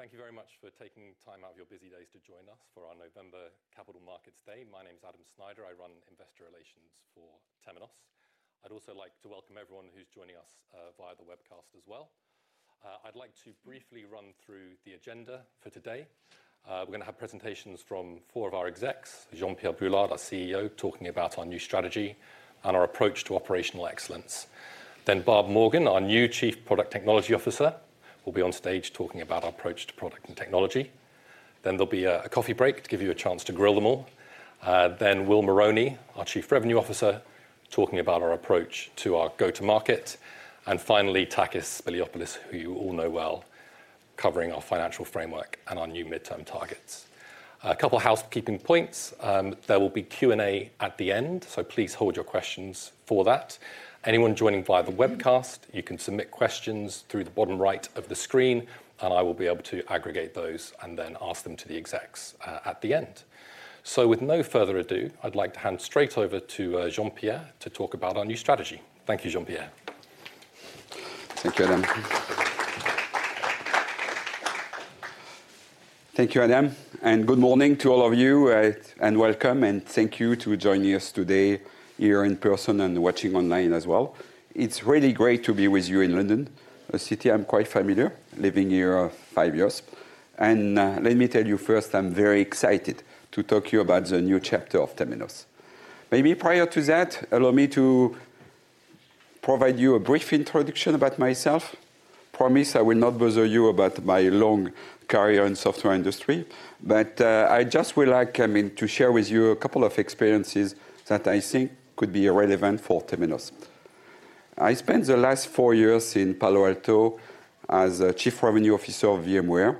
Good morning, everyone. Thank you very much for taking time out of your busy days to join us for our November Capital Markets Day. My name is Adam Snyder. I run investor relations for Temenos. I'd also like to welcome everyone who's joining us via the webcast as well. I'd like to briefly run through the agenda for today. We're going to have presentations from four of our execs, Jean-Pierre Brulard, our CEO, talking about our new strategy and our approach to operational excellence. Then Barb Morgan, our new Chief Product Technology Officer, will be on stage talking about our approach to product and technology. Then there'll be a coffee break to give you a chance to grill them all. Then Will Moroney, our Chief Revenue Officer, talking about our approach to our go-to-market. And finally, Takis Spiliopoulos, who you all know well, covering our financial framework and our new midterm targets. A couple of housekeeping points. There will be Q&A at the end, so please hold your questions for that. Anyone joining via the webcast, you can submit questions through the bottom right of the screen, and I will be able to aggregate those and then ask them to the execs at the end. So with no further ado, I'd like to hand straight over to Jean-Pierre to talk about our new strategy. Thank you, Jean-Pierre. Thank you, Adam. Thank you, Adam, and good morning to all of you, and welcome, and thank you for joining us today here in person and watching online as well. It's really great to be with you in London, a city I'm quite familiar with, living here five years. And let me tell you first, I'm very excited to talk to you about the new chapter of Temenos. Maybe prior to that, allow me to provide you a brief introduction about myself. Promise I will not bother you about my long career in the software industry, but I just would like to share with you a couple of experiences that I think could be relevant for Temenos. I spent the last four years in Palo Alto as a Chief Revenue Officer of VMware,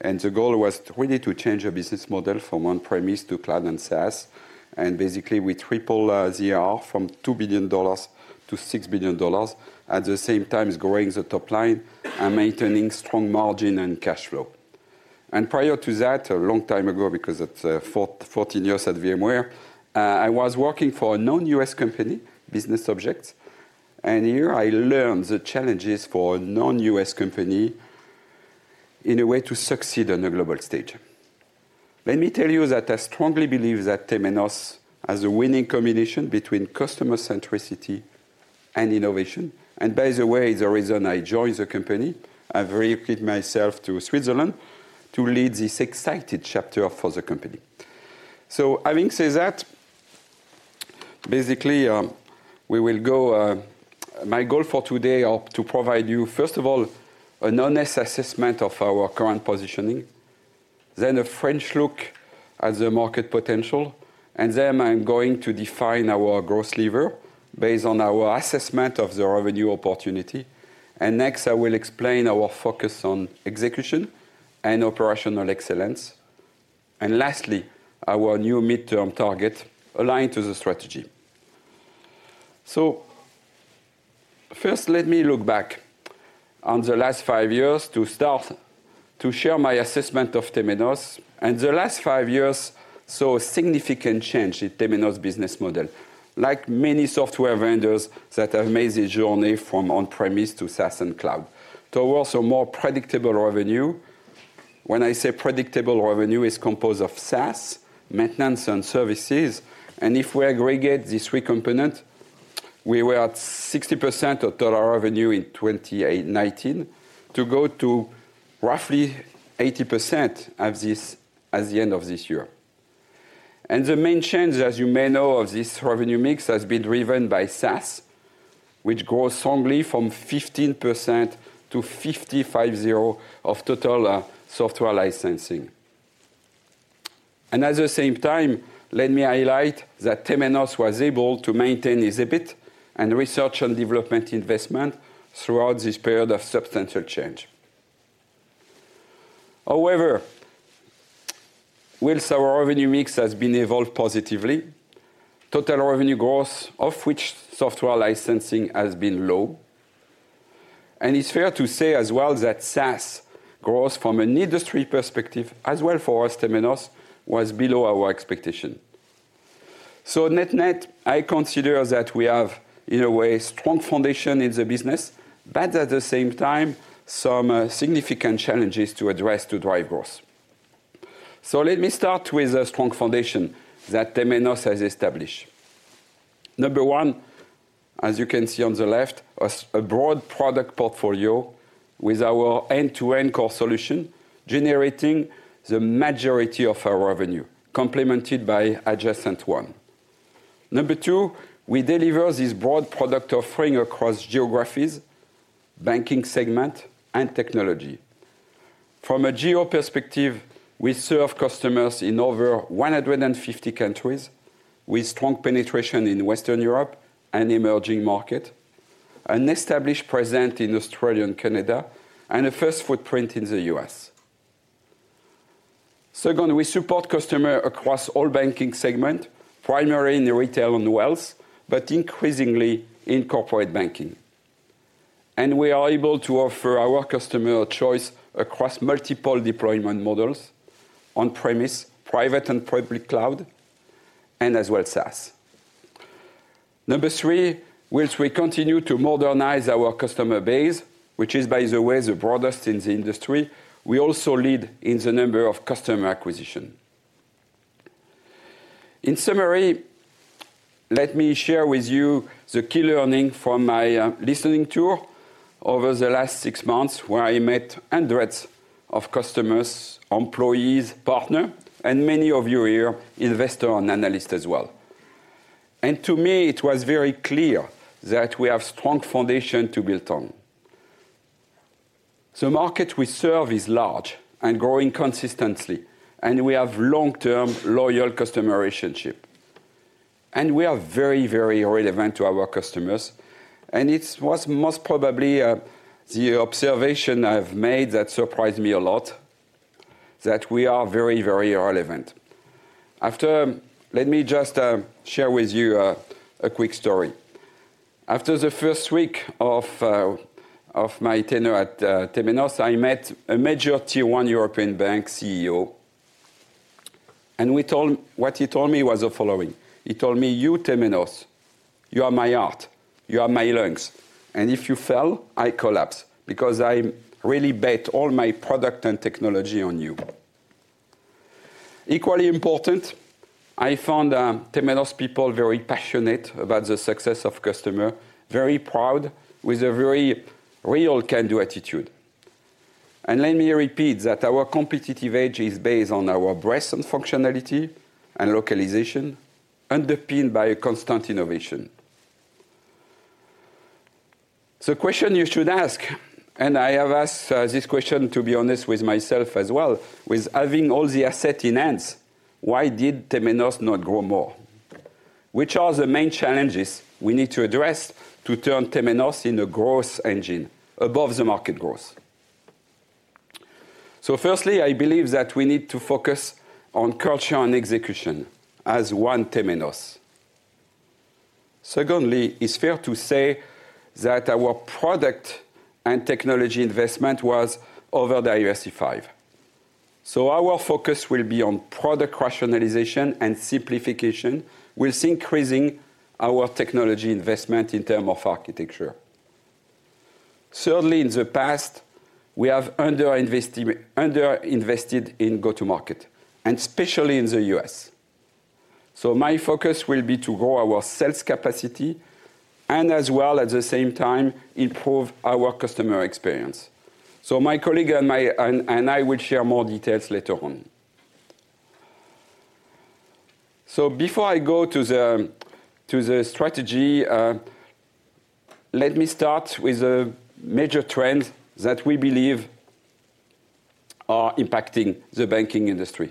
and the goal was really to change the business model from on-premise to cloud and SaaS, and basically with triple ARR from $2 billion to $6 billion, at the same time growing the top line and maintaining strong margin and cash flow. Prior to that, a long time ago, because that's 14 years at VMware, I was working for a non-US company, Business Objects, and here I learned the challenges for a non-US company in a way to succeed on a global stage. Let me tell you that I strongly believe that Temenos has a winning combination between customer centricity and innovation. By the way, it's the reason I joined the company. I've relocated myself to Switzerland to lead this exciting chapter for the company. So, having said that, basically, we will go. My goal for today is to provide you, first of all, an honest assessment of our current positioning, then a fresh look at the market potential, and then I'm going to define our growth lever based on our assessment of the revenue opportunity. Next, I will explain our focus on execution and operational excellence. Lastly, our new mid-term target aligned to the strategy. First, let me look back on the last five years to start to share my assessment of Temenos. The last five years saw a significant change in Temenos' business model, like many software vendors that have made the journey from on-premise to SaaS and cloud, toward a more predictable revenue. When I say predictable revenue, it's composed of SaaS, maintenance, and services. And if we aggregate these three components, we were at 60% of total revenue in 2019 to go to roughly 80% at the end of this year. And the main change, as you may know, of this revenue mix has been driven by SaaS, which grows strongly from 15%-55% of total software licensing. And at the same time, let me highlight that Temenos was able to maintain its EBIT and research and development investment throughout this period of substantial change. However, with our revenue mix, it has been evolved positively. Total revenue growth, of which software licensing, has been low. And it's fair to say as well that SaaS growth from an industry perspective, as well for us, Temenos, was below our expectation. So net-net, I consider that we have, in a way, a strong foundation in the business, but at the same time, some significant challenges to address to drive growth. So let me start with a strong foundation that Temenos has established. Number one, as you can see on the left, a broad product portfolio with our end-to-end core solution generating the majority of our revenue, complemented by adjacent one. Number two, we deliver this broad product offering across geographies, banking segment, and technology. From a geo perspective, we serve customers in over 150 countries with strong penetration in Western Europe and emerging markets, an established presence in Australia and Canada, and a first footprint in the U.S. Second, we support customers across all banking segments, primarily in retail and wealth, but increasingly in corporate banking. We are able to offer our customers a choice across multiple deployment models: on-premise, private and public cloud, and as well as SaaS. Number three, we continue to modernize our customer base, which is, by the way, the broadest in the industry. We also lead in the number of customer acquisitions. In summary, let me share with you the key learnings from my listening tour over the last six months, where I met hundreds of customers, employees, partners, and many of you here, investors and analysts as well. To me, it was very clear that we have a strong foundation to build on. The market we serve is large and growing consistently, and we have a long-term loyal customer relationship. We are very, very relevant to our customers. And it was most probably the observation I've made that surprised me a lot, that we are very, very relevant. Let me just share with you a quick story. After the first week of my tenure at Temenos, I met a major Tier 1 European bank CEO. And what he told me was the following. He told me, "You, Temenos, you are my heart. You are my lungs. And if you fail, I collapse because I really bet all my product and technology on you." Equally important, I found Temenos people very passionate about the success of customers, very proud, with a very real can-do attitude. And let me repeat that our competitive edge is based on our breadth and functionality and localization, underpinned by constant innovation. The question you should ask, and I have asked this question, to be honest, with myself as well, with having all the assets in hand, why did Temenos not grow more? Which are the main challenges we need to address to turn Temenos into a growth engine above the market growth? So firstly, I believe that we need to focus on culture and execution as one Temenos. Secondly, it's fair to say that our product and technology investment was overdiversified. So our focus will be on product rationalization and simplification, with increasing our technology investment in terms of architecture. Thirdly, in the past, we have underinvested in go-to-market, and especially in the U.S. So my focus will be to grow our sales capacity and, as well, at the same time, improve our customer experience. So my colleague and I will share more details later on. So before I go to the strategy, let me start with a major trend that we believe is impacting the banking industry.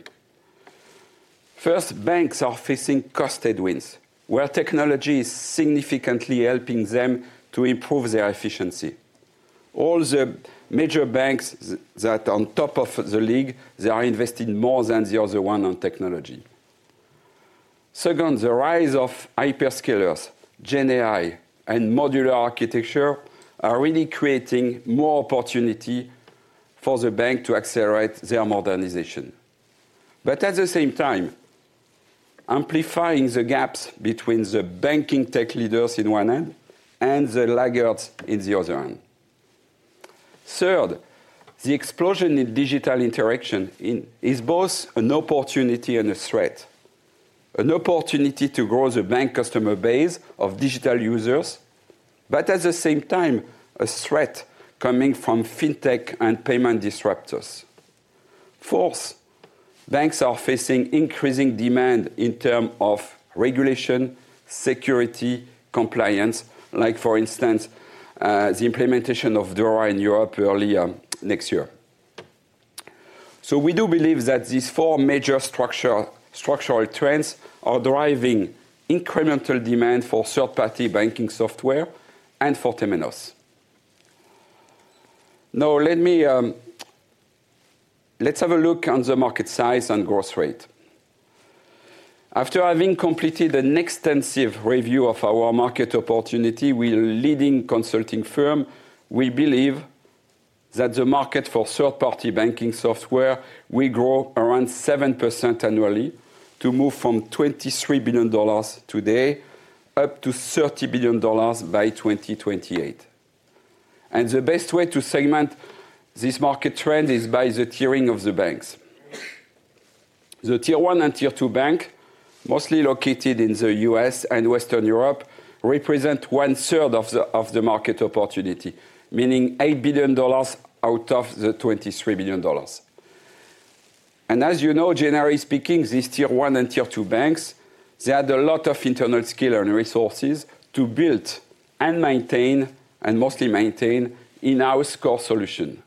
First, banks are facing cost headwinds, where technology is significantly helping them to improve their efficiency. All the major banks that are on top of the league, they are investing more than the other one on technology. Second, the rise of hyperscalers, GenAI, and modular architecture are really creating more opportunity for the bank to accelerate their modernization. But at the same time, amplifying the gaps between the banking tech leaders on one end and the laggards on the other end. Third, the explosion in digital interaction is both an opportunity and a threat. An opportunity to grow the bank customer base of digital users, but at the same time, a threat coming from fintech and payment disruptors. Fourth, banks are facing increasing demand in terms of regulation, security, compliance, like, for instance, the implementation of DORA in Europe early next year. So we do believe that these four major structural trends are driving incremental demand for third-party banking software and for Temenos. Now, let's have a look at the market size and growth rate. After having completed an extensive review of our market opportunity with a leading consulting firm, we believe that the market for third-party banking software will grow around 7% annually to move from $23 billion today up to $30 billion by 2028, and the best way to segment this market trend is by the tiering of the banks. The Tier 1 and Tier 2 banks, mostly located in the U.S. and Western Europe, represent one-third of the market opportunity, meaning $8 billion out of the $23 billion. As you know, generally speaking, these Tier 1 and Tier 2 banks, they had a lot of internal skill and resources to build and maintain, and mostly maintain, in-house core solutions.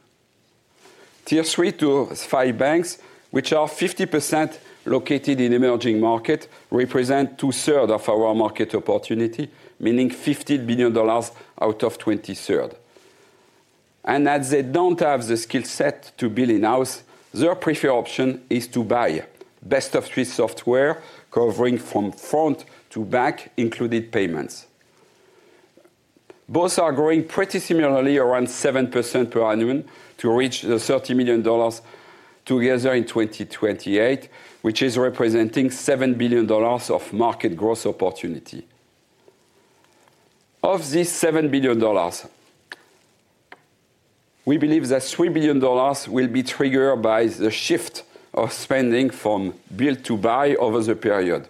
Tier 3 to 5 banks, which are 50% located in emerging markets, represent two-thirds of our market opportunity, meaning $15 billion out of $20 billion. As they don't have the skill set to build in-house, their preferred option is to buy best-of-breed software covering from front to back, including payments. Both are growing pretty similarly, around 7% per annum to reach the $30 billion together in 2028, which is representing $7 billion of market growth opportunity. Of these $7 billion, we believe that $3 billion will be triggered by the shift of spending from build to buy over the period.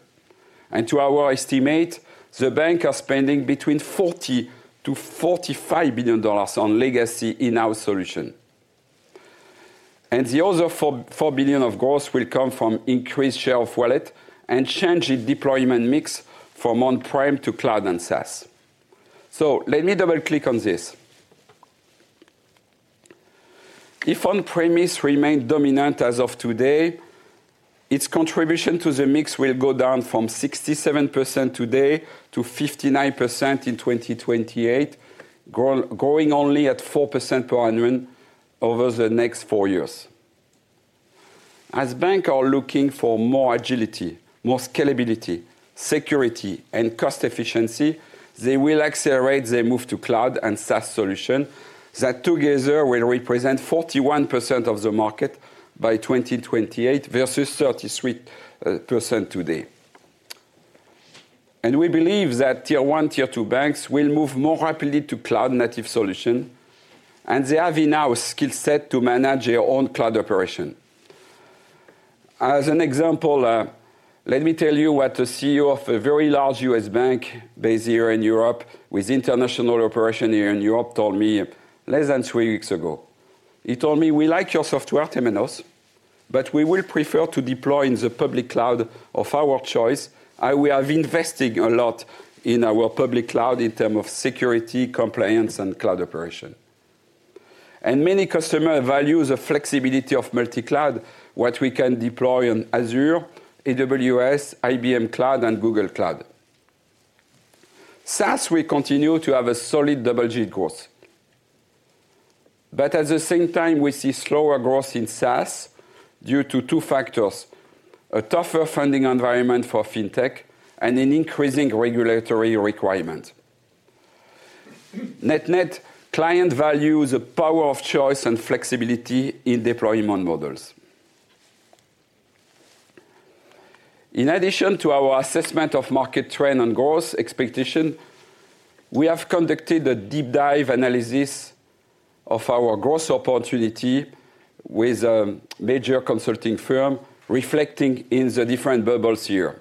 To our estimate, the banks are spending between $40-$45 billion on legacy in-house solutions. And the other $4 billion of growth will come from increased share of wallet and changed deployment mix from on-prem to cloud and SaaS. So let me double-click on this. If on-premise remains dominant as of today, its contribution to the mix will go down from 67% today to 59% in 2028, growing only at 4% per annum over the next four years. As banks are looking for more agility, more scalability, security, and cost efficiency, they will accelerate their move to cloud and SaaS solutions that together will represent 41% of the market by 2028 versus 33% today. And we believe that Tier 1, Tier 2 banks will move more rapidly to cloud-native solutions, and they have enough skill set to manage their own cloud operation. As an example, let me tell you what the CEO of a very large U.S. bank based here in Europe, with international operations here in Europe, told me less than three weeks ago. He told me, "We like your software, Temenos, but we will prefer to deploy in the public cloud of our choice. We have invested a lot in our public cloud in terms of security, compliance, and cloud operation." And many customers value the flexibility of multi-cloud, what we can deploy on Azure, AWS, IBM Cloud, and Google Cloud. SaaS, we continue to have a solid double-digit growth. But at the same time, we see slower growth in SaaS due to two factors: a tougher funding environment for fintech and an increasing regulatory requirement. Net-net, clients value the power of choice and flexibility in deployment models. In addition to our assessment of market trend and growth expectations, we have conducted a deep-dive analysis of our growth opportunity with a major consulting firm, reflected in the different bubbles here,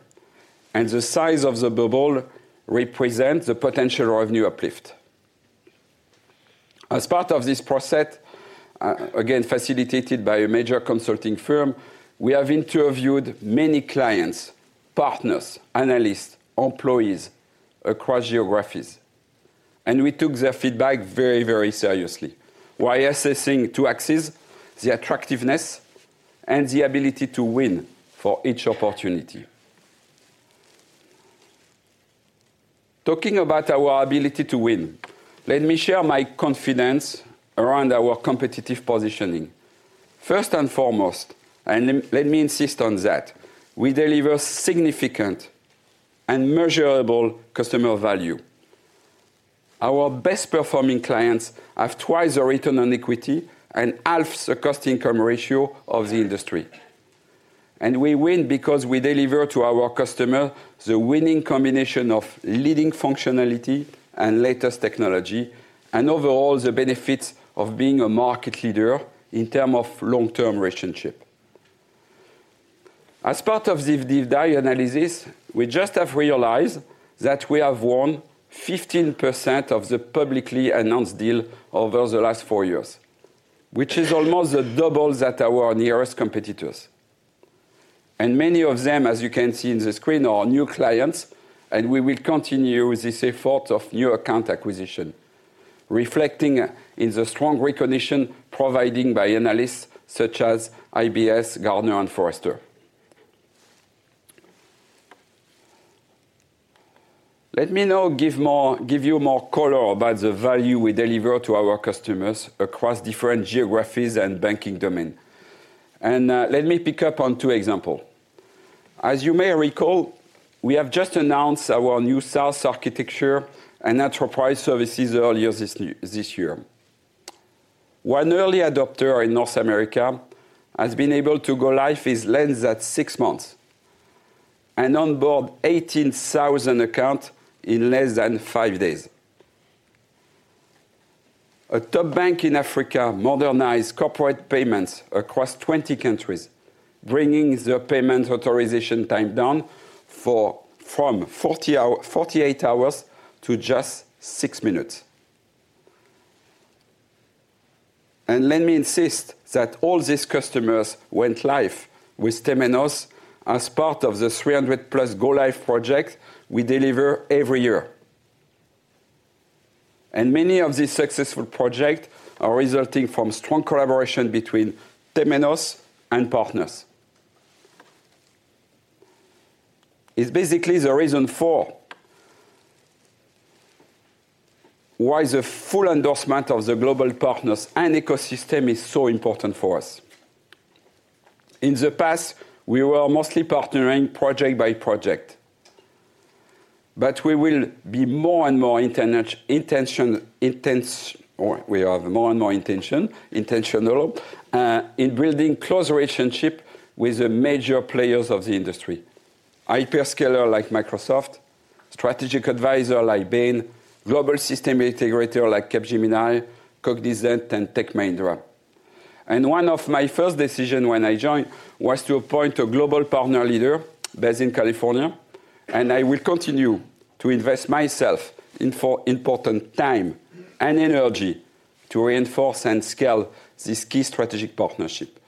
and the size of the bubble represents the potential revenue uplift. As part of this process, again, facilitated by a major consulting firm, we have interviewed many clients, partners, analysts, employees across geographies, and we took their feedback very, very seriously, while assessing two axes: the attractiveness and the ability to win for each opportunity. Talking about our ability to win, let me share my confidence around our competitive positioning. First and foremost, and let me insist on that, we deliver significant and measurable customer value. Our best-performing clients have twice the return on equity and half the cost-income ratio of the industry. And we win because we deliver to our customers the winning combination of leading functionality and latest technology, and overall, the benefits of being a market leader in terms of long-term relationship. As part of this deep-dive analysis, we just have realized that we have won 15% of the publicly announced deals over the last four years, which is almost double that of our nearest competitors. And many of them, as you can see on the screen, are new clients, and we will continue with this effort of new account acquisition, reflecting in the strong recognition provided by analysts such as IBS, Gartner, and Forrester. Let me now give you more color about the value we deliver to our customers across different geographies and banking domains. And let me pick up on two examples. As you may recall, we have just announced our new SaaS architecture and enterprise services earlier this year. One early adopter in North America has been able to go live in less than six months and onboard 18,000 accounts in less than five days. A top bank in Africa modernized corporate payments across 20 countries, bringing the payment authorization time down from 48 hours to just six minutes. Let me insist that all these customers went live with Temenos as part of the 300+ go-live projects we deliver every year. Many of these successful projects are resulting from strong collaboration between Temenos and partners. It's basically the reason for why the full endorsement of the global partners and ecosystem is so important for us. In the past, we were mostly partnering project by project. We will be more and more intentional. We have more and more intentional in building close relationships with the major players of the industry: hyperscalers like Microsoft, strategic advisors like Bain, global system integrators like Capgemini, Cognizant, and Tech Mahindra. One of my first decisions when I joined was to appoint a global partner leader based in California. I will continue to invest myself in important time and energy to reinforce and scale this key strategic partnership.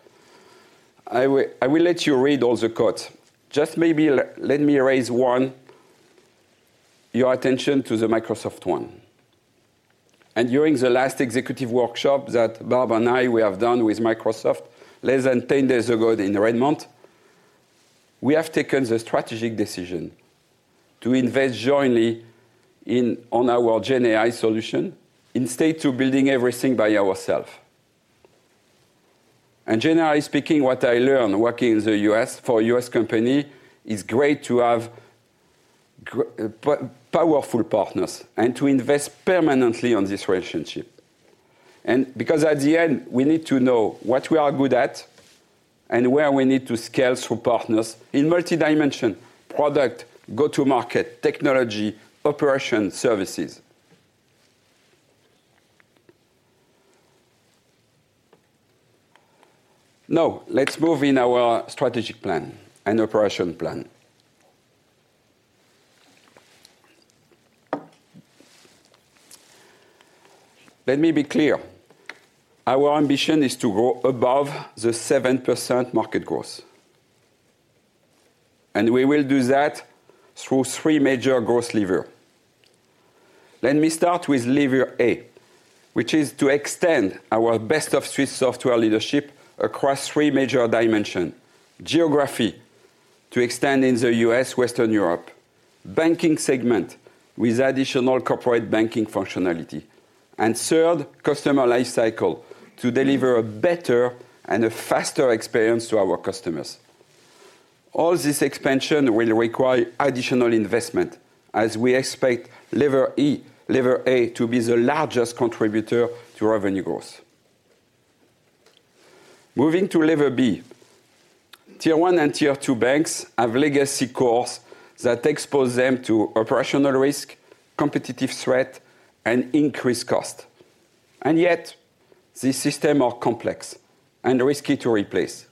I will let you read all the quotes. Just maybe let me draw your attention to the Microsoft one. During the last executive workshop that Barb and I have done with Microsoft less than 10 days ago in Redmond, we have taken the strategic decision to invest jointly on our GenAI solution instead of building everything by ourselves. And generally speaking, what I learned working in the U.S. for a U.S. company is great to have powerful partners and to invest permanently on this relationship. And because at the end, we need to know what we are good at and where we need to scale through partners in multi-dimension product, go-to-market, technology, operation, services. Now, let's move in our strategic plan and operation plan. Let me be clear. Our ambition is to grow above the 7% market growth. And we will do that through three major growth levers. Let me start with lever A, which is to extend our best-of-breed software leadership across three major dimensions: geography, to extend in the U.S., Western Europe, banking segment with additional corporate banking functionality, and third, customer lifecycle to deliver a better and a faster experience to our customers. All this expansion will require additional investment, as we expect Lever A to be the largest contributor to revenue growth. Moving to Lever B, Tier 1 and Tier 2 banks have legacy cores that expose them to operational risk, competitive threat, and increased cost. Yet, these systems are complex and risky to replace.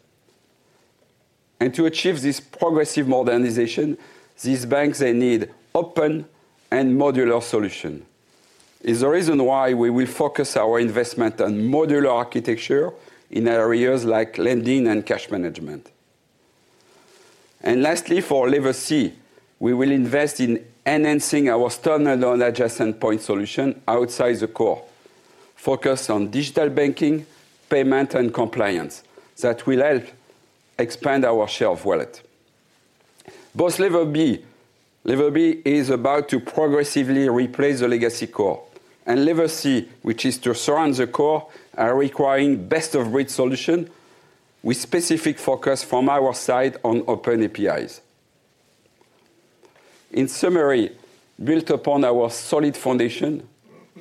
To achieve this progressive modernization, these banks, they need open and modular solutions. It's the reason why we will focus our investment on modular architecture in areas like lending and cash management. Lastly, for Lever C, we will invest in enhancing our standard and adjacent point solution outside the core, focused on digital banking, payment, and compliance that will help expand our share of wallet. Both Lever B is about to progressively replace the legacy core. And Lever C, which is to surround the core, are requiring best-of-breed solutions with specific focus from our side on open APIs. In summary, built upon our solid foundation,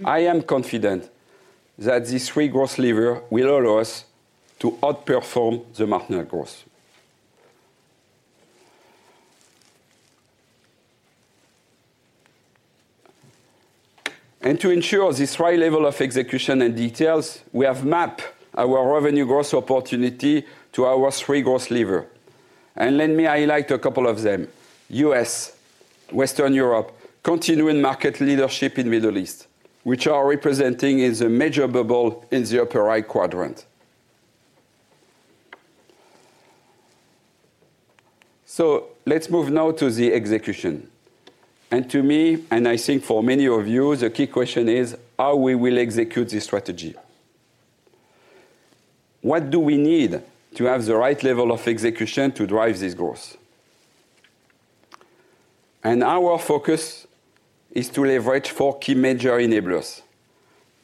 I am confident that these three growth levers will allow us to outperform the market growth. And to ensure this high level of execution and details, we have mapped our revenue growth opportunity to our three growth levers. And let me highlight a couple of them: U.S., Western Europe, continuing market leadership in the Middle East, which are representing the major bubble in the upper right quadrant. So let's move now to the execution. And to me, and I think for many of you, the key question is how we will execute this strategy. What do we need to have the right level of execution to drive this growth? And our focus is to leverage four key major enablers: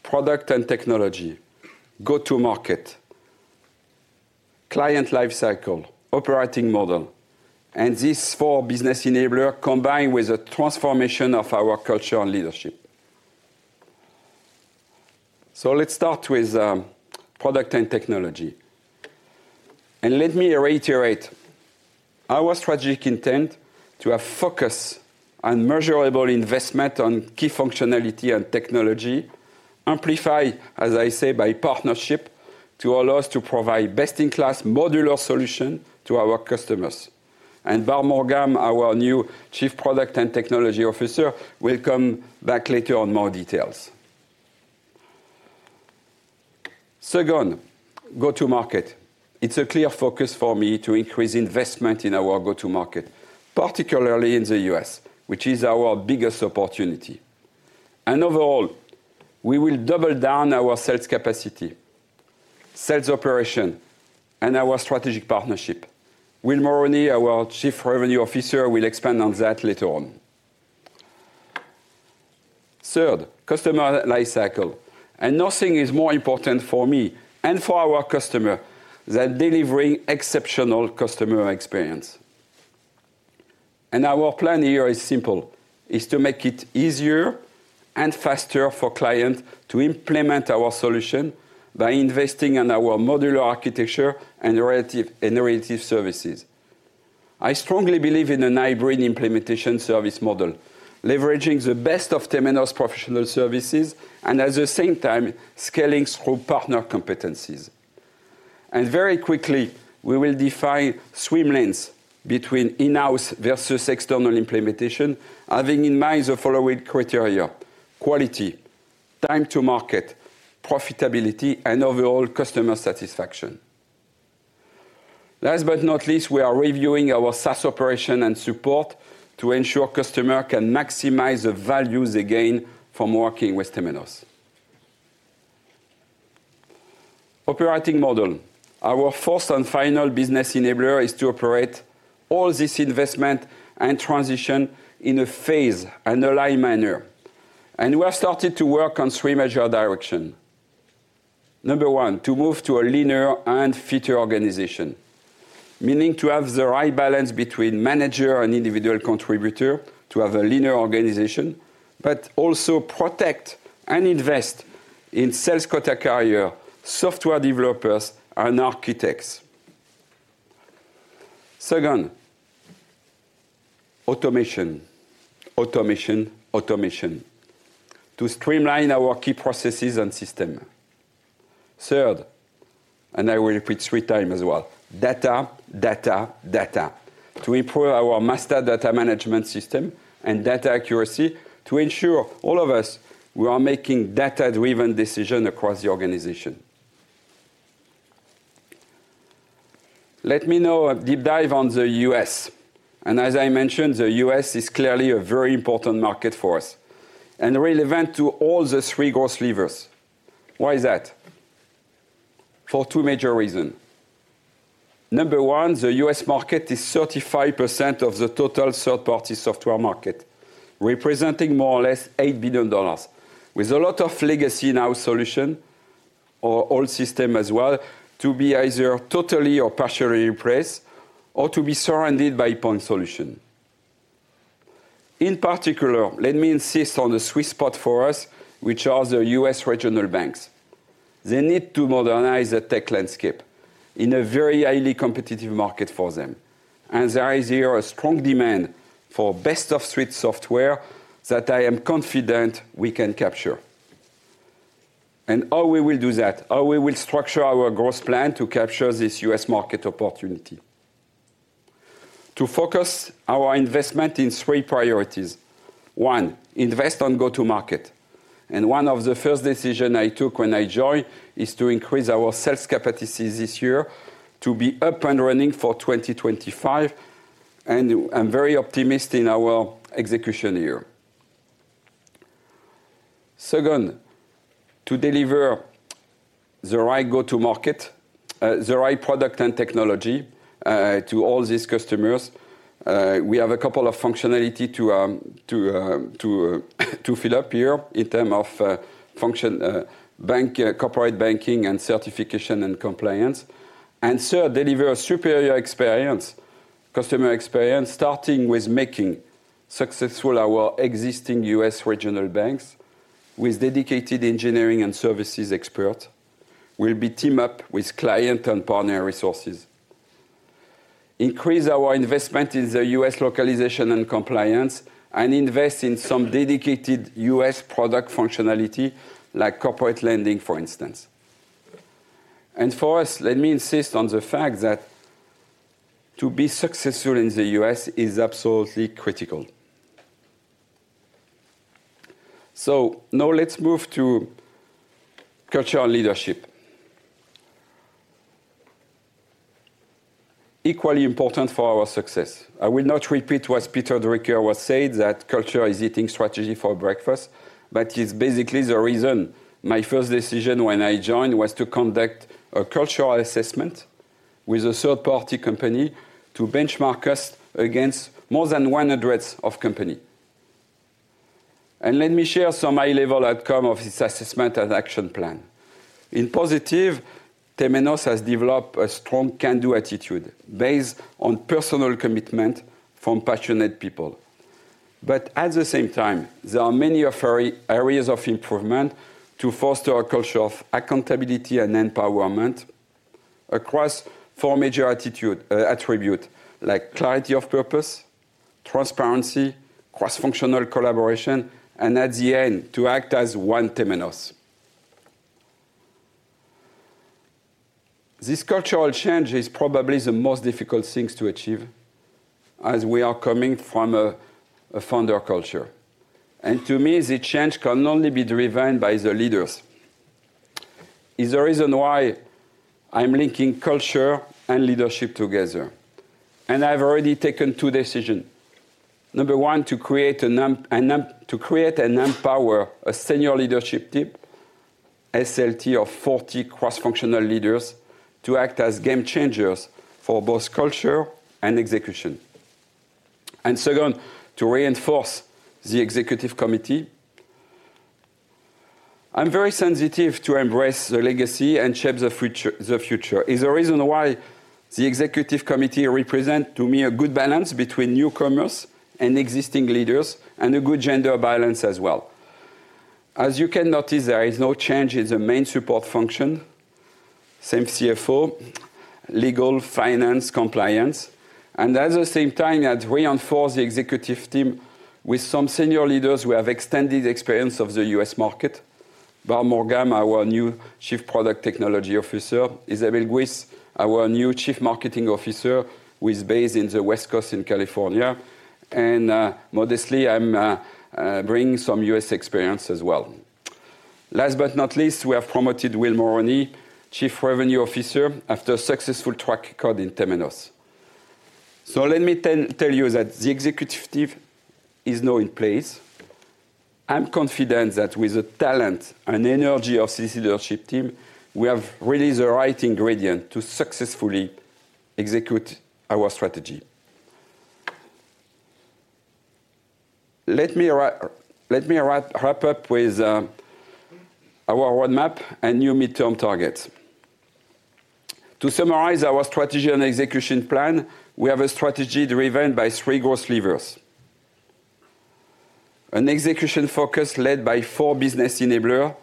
product and technology, go-to-market, client lifecycle, operating model. And these four business enablers combine with the transformation of our culture and leadership. So let's start with product and technology. And let me reiterate our strategic intent to have focus on measurable investment on key functionality and technology, amplified, as I say, by partnership to allow us to provide best-in-class modular solutions to our customers. And Barb Morgan, our new Chief Product and Technology Officer, will come back later on more details. Second, go-to-market. It's a clear focus for me to increase investment in our go-to-market, particularly in the U.S., which is our biggest opportunity. And overall, we will double down our sales capacity, sales operation, and our strategic partnership. Will Moroney, our Chief Revenue Officer, will expand on that later on. Third, customer lifecycle. Nothing is more important for me and for our customers than delivering exceptional customer experience. Our plan here is simple: it's to make it easier and faster for clients to implement our solution by investing in our modular architecture and relative services. I strongly believe in a hybrid implementation service model, leveraging the best of Temenos' professional services and, at the same time, scaling through partner competencies. Very quickly, we will define swim lanes between in-house versus external implementation, having in mind the following criteria: quality, time to market, profitability, and overall customer satisfaction. Last but not least, we are reviewing our SaaS operation and support to ensure customers can maximize the value they gain from working with Temenos. Operating model. Our fourth and final business enabler is to operate all this investment and transition in a phased, aligned manner. We have started to work on three major directions. Number one, to move to a leaner and fitter organization, meaning to have the right balance between manager and individual contributor to have a leaner organization, but also protect and invest in sales quota carriers, software developers, and architects. Second, automation, automation, automation to streamline our key processes and systems. Third, and I will repeat three times as well: data, data, data, to improve our master data management system and data accuracy to ensure all of us, we are making data-driven decisions across the organization. Let me now deep dive on the U.S. And as I mentioned, the U.S. is clearly a very important market for us and relevant to all the three growth levers. Why is that? For two major reasons. Number one, the U.S. market is 35% of the total third-party software market, representing more or less $8 billion, with a lot of legacy core solutions or old systems as well to be either totally or partially replaced or to be surrounded by point solutions. In particular, let me insist on the sweet spot for us, which are the U.S. regional banks. They need to modernize the tech landscape in a very highly competitive market for them. And there is here a strong demand for best-of-breed software that I am confident we can capture. And how we will do that? How we will structure our growth plan to capture this U.S. market opportunity? To focus our investment in three priorities. One, invest on go-to-market. And one of the first decisions I took when I joined is to increase our sales capacity this year to be up and running for 2025. I'm very optimistic in our execution here. Second, to deliver the right go-to-market, the right product and technology to all these customers. We have a couple of functionalities to fill up here in terms of bank corporate banking and certification and compliance. And third, deliver a superior experience, customer experience, starting with making successful our existing U.S. regional banks with dedicated engineering and services experts. We'll be teamed up with client and partner resources. Increase our investment in the U.S. localization and compliance and invest in some dedicated U.S. product functionality like corporate lending, for instance. And for us, let me insist on the fact that to be successful in the U.S. is absolutely critical. So now let's move to culture and leadership. Equally important for our success. I will not repeat what Peter Drucker was saying, that culture is eating strategy for breakfast, but it's basically the reason my first decision when I joined was to conduct a cultural assessment with a third-party company to benchmark us against more than 100 companies, and let me share some high-level outcomes of this assessment and action plan. In positive, Temenos has developed a strong can-do attitude based on personal commitment from passionate people, but at the same time, there are many areas of improvement to foster a culture of accountability and empowerment across four major attributes like clarity of purpose, transparency, cross-functional collaboration, and at the end, to act as one Temenos. This cultural change is probably the most difficult thing to achieve as we are coming from a founder culture, and to me, the change can only be driven by the leaders. It's the reason why I'm linking culture and leadership together, and I've already taken two decisions. Number one, to create and empower a senior leadership team, SLT of 40 cross-functional leaders to act as game changers for both culture and execution, and second, to reinforce the executive committee. I'm very sensitive to embrace the legacy and shape the future. It's the reason why the executive committee represents to me a good balance between newcomers and existing leaders and a good gender balance as well. As you can notice, there is no change in the main support function: same CFO, legal, finance, compliance, and at the same time, I'd reinforce the executive team with some senior leaders who have extended experience of the U.S. market. Barb Morgan, our new Chief Product and Technology Officer. Isabelle Guis, our new Chief Marketing Officer based in the West Coast in California. And modestly, I'm bringing some U.S. experience as well. Last but not least, we have promoted Will Moroney, Chief Revenue Officer, after a successful track record in Temenos. So let me tell you that the executive team is now in place. I'm confident that with the talent and energy of this leadership team, we have really the right ingredient to successfully execute our strategy. Let me wrap up with our roadmap and new midterm targets. To summarize our strategy and execution plan, we have a strategy driven by three growth levers: an execution focus led by four business enablers,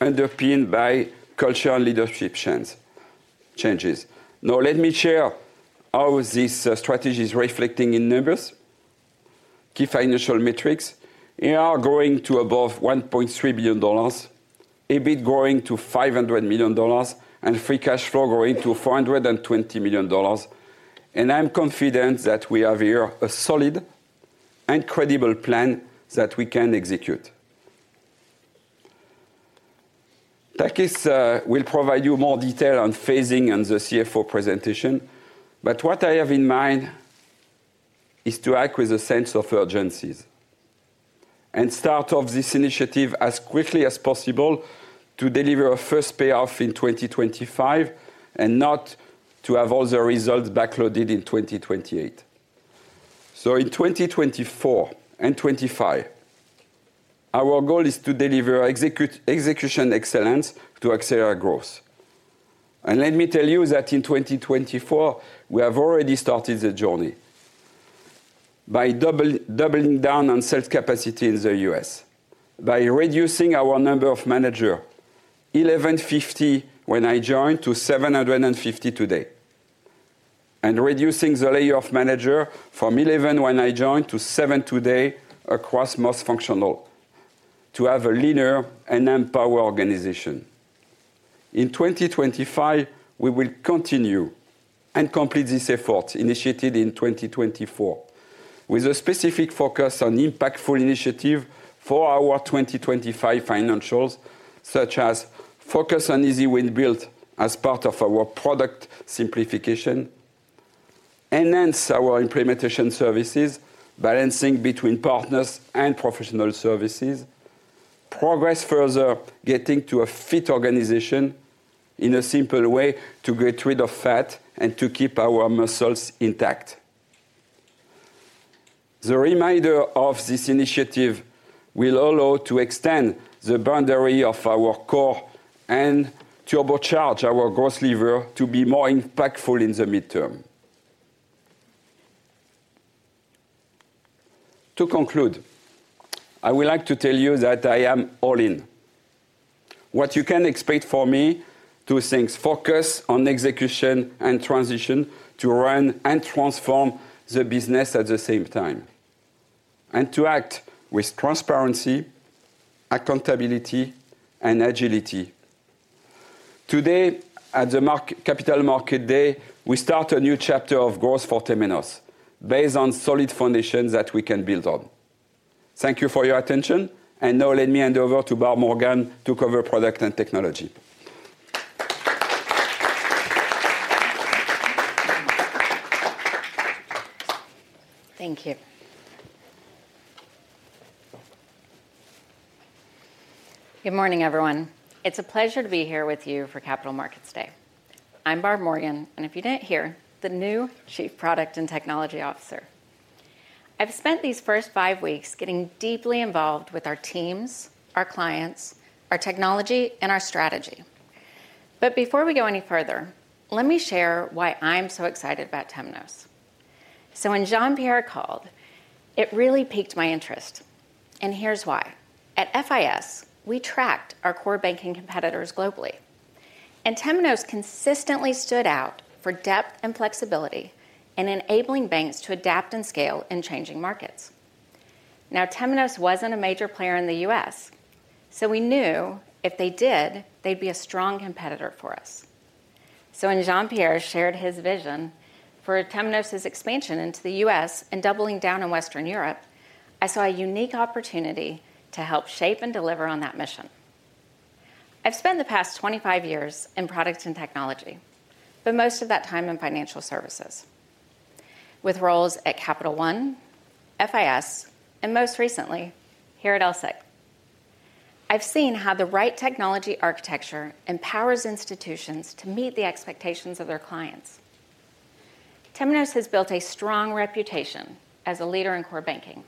underpinned by culture and leadership changes. Now, let me share how this strategy is reflecting in numbers, key financial metrics. We are growing to above $1.3 billion, EBIT growing to $500 million, and free cash flow growing to $420 million. And I'm confident that we have here a solid and credible plan that we can execute. Takis will provide you more detail on phasing and the CFO presentation. But what I have in mind is to act with a sense of urgency and start off this initiative as quickly as possible to deliver a first payoff in 2025 and not to have all the results backloaded in 2028. So in 2024 and 2025, our goal is to deliver execution excellence to accelerate growth. And let me tell you that in 2024, we have already started the journey by doubling down on sales capacity in the U.S., by reducing our number of managers, 1,150 when I joined to 750 today, and reducing the layer of managers from 11 when I joined to seven today across most functional to have a leaner and empowered organization. In 2025, we will continue and complete this effort initiated in 2024 with a specific focus on impactful initiatives for our 2025 financials, such as focus on easy win, build as part of our product simplification, enhance our implementation services, balancing between partners and professional services, progress further, getting to a fit organization in a simple way to get rid of fat and to keep our muscles intact. The remainder of this initiative will allow to extend the boundary of our core and turbocharge our growth lever to be more impactful in the midterm. To conclude, I would like to tell you that I am all in. What you can expect from me is to focus on execution and transition to run and transform the business at the same time and to act with transparency, accountability, and agility. Today, at the Capital Market Day, we start a new chapter of growth for Temenos based on solid foundations that we can build on. Thank you for your attention, and now let me hand over to Barb Morgan to cover product and technology. Thank you. Good morning, everyone. It's a pleasure to be here with you for Capital Markets Day. I'm Barb Morgan, and if you didn't hear, the new Chief Product and Technology Officer. I've spent these first five weeks getting deeply involved with our teams, our clients, our technology, and our strategy. But before we go any further, let me share why I'm so excited about Temenos. So when Jean-Pierre called, it really piqued my interest. And here's why. At FIS, we tracked our core banking competitors globally. And Temenos consistently stood out for depth and flexibility in enabling banks to adapt and scale in changing markets. Now, Temenos wasn't a major player in the U.S., so we knew if they did, they'd be a strong competitor for us. When Jean-Pierre shared his vision for Temenos' expansion into the US and doubling down on Western Europe, I saw a unique opportunity to help shape and deliver on that mission. I've spent the past 25 years in product and technology, but most of that time in financial services with roles at Capital One, FIS, and most recently here at LSEG. I've seen how the right technology architecture empowers institutions to meet the expectations of their clients. Temenos has built a strong reputation as a leader in core banking,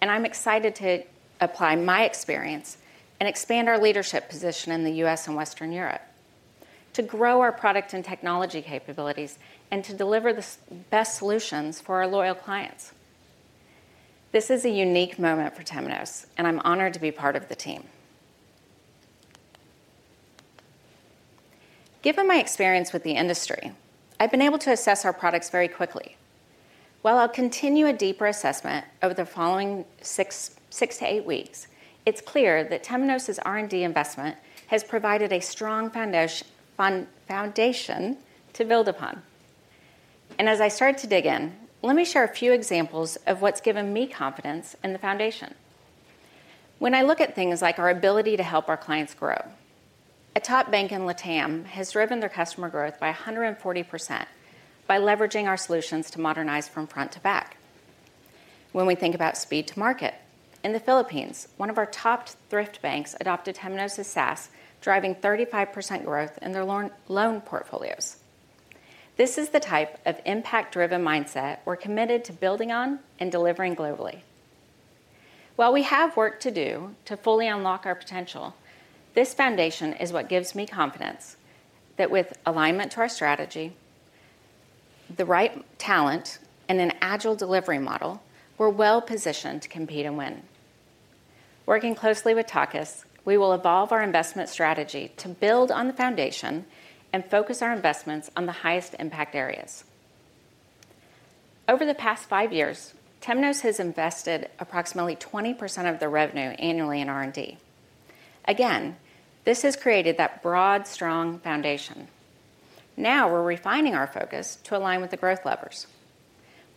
and I'm excited to apply my experience and expand our leadership position in the U.S. and Western Europe to grow our product and technology capabilities and to deliver the best solutions for our loyal clients. This is a unique moment for Temenos, and I'm honored to be part of the team. Given my experience with the industry, I've been able to assess our products very quickly. While I'll continue a deeper assessment over the following six to eight weeks, it's clear that Temenos' R&D investment has provided a strong foundation to build upon. And as I start to dig in, let me share a few examples of what's given me confidence in the foundation. When I look at things like our ability to help our clients grow, a top bank in Latam has driven their customer growth by 140% by leveraging our solutions to modernize from front to back. When we think about speed to market, in the Philippines, one of our top thrift banks adopted Temenos' SaaS, driving 35% growth in their loan portfolios. This is the type of impact-driven mindset we're committed to building on and delivering globally. While we have work to do to fully unlock our potential, this foundation is what gives me confidence that with alignment to our strategy, the right talent, and an agile delivery model, we're well positioned to compete and win. Working closely with Takis, we will evolve our investment strategy to build on the foundation and focus our investments on the highest impact areas. Over the past five years, Temenos has invested approximately 20% of their revenue annually in R&D. Again, this has created that broad, strong foundation. Now we're refining our focus to align with the growth levers.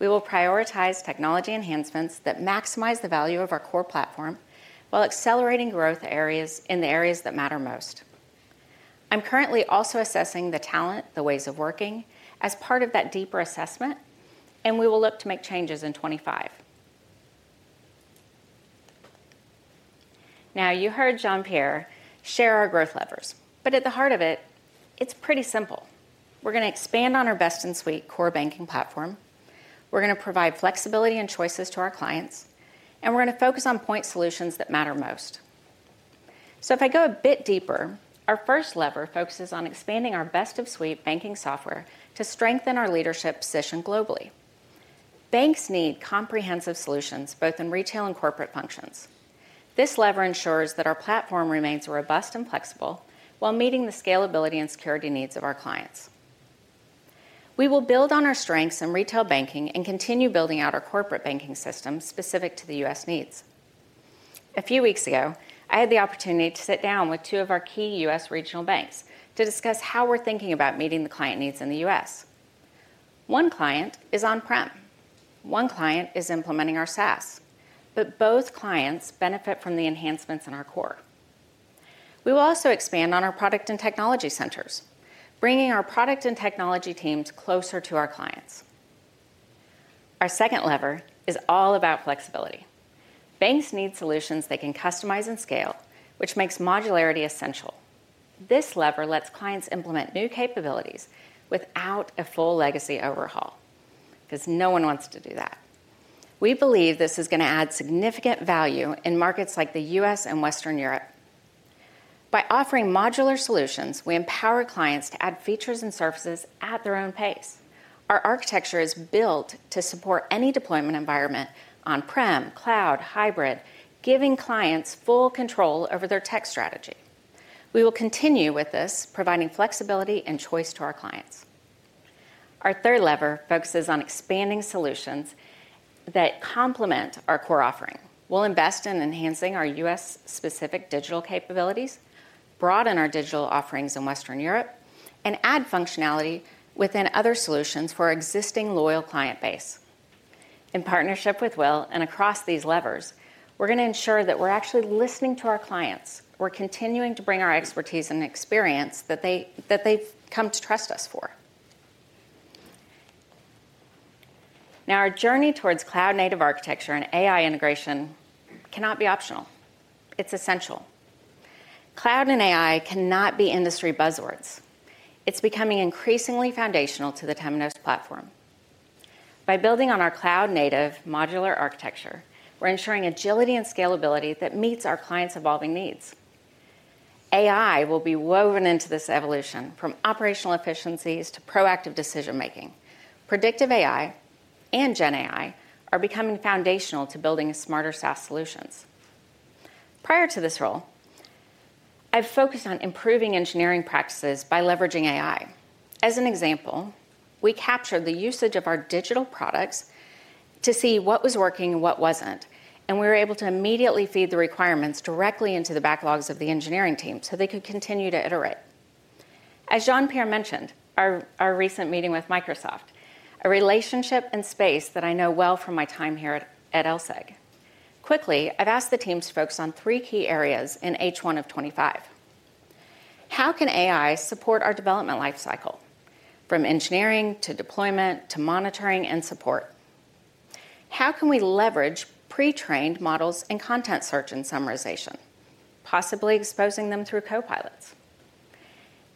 We will prioritize technology enhancements that maximize the value of our core platform while accelerating growth areas in the areas that matter most. I'm currently also assessing the talent, the ways of working as part of that deeper assessment, and we will look to make changes in 2025. Now, you heard Jean-Pierre share our growth levers, but at the heart of it, it's pretty simple. We're going to expand on our best-of-suite core banking platform. We're going to provide flexibility and choices to our clients, and we're going to focus on point solutions that matter most. So if I go a bit deeper, our first lever focuses on expanding our best-of-suite banking software to strengthen our leadership position globally. Banks need comprehensive solutions both in retail and corporate functions. This lever ensures that our platform remains robust and flexible while meeting the scalability and security needs of our clients. We will build on our strengths in retail banking and continue building out our corporate banking system specific to the U.S. needs. A few weeks ago, I had the opportunity to sit down with two of our key U.S. regional banks to discuss how we're thinking about meeting the client needs in the U.S. One client is on-prem. One client is implementing our SaaS, but both clients benefit from the enhancements in our core. We will also expand on our product and technology centers, bringing our product and technology teams closer to our clients. Our second lever is all about flexibility. Banks need solutions they can customize and scale, which makes modularity essential. This lever lets clients implement new capabilities without a full legacy overhaul because no one wants to do that. We believe this is going to add significant value in markets like the U.S. and Western Europe. By offering modular solutions, we empower clients to add features and services at their own pace. Our architecture is built to support any deployment environment on-prem, cloud, hybrid, giving clients full control over their tech strategy. We will continue with this, providing flexibility and choice to our clients. Our third lever focuses on expanding solutions that complement our core offering. We'll invest in enhancing our U.S.-specific digital capabilities, broaden our digital offerings in Western Europe, and add functionality within other solutions for our existing loyal client base. In partnership with Will and across these levers, we're going to ensure that we're actually listening to our clients. We're continuing to bring our expertise and experience that they've come to trust us for. Now, our journey towards cloud-native architecture and AI integration cannot be optional. It's essential. Cloud and AI cannot be industry buzzwords. It's becoming increasingly foundational to the Temenos platform. By building on our cloud-native modular architecture, we're ensuring agility and scalability that meets our clients' evolving needs. AI will be woven into this evolution from operational efficiencies to proactive decision-making. Predictive AI and Gen AI are becoming foundational to building smarter SaaS solutions. Prior to this role, I've focused on improving engineering practices by leveraging AI. As an example, we captured the usage of our digital products to see what was working and what wasn't, and we were able to immediately feed the requirements directly into the backlogs of the engineering team so they could continue to iterate. As Jean-Pierre mentioned, our recent meeting with Microsoft, a relationship and space that I know well from my time here at LSEG. Quickly, I've asked the team to focus on three key areas in H1 of 2025. How can AI support our development lifecycle from engineering to deployment to monitoring and support? How can we leverage pre-trained models in content search and summarization, possibly exposing them through copilots?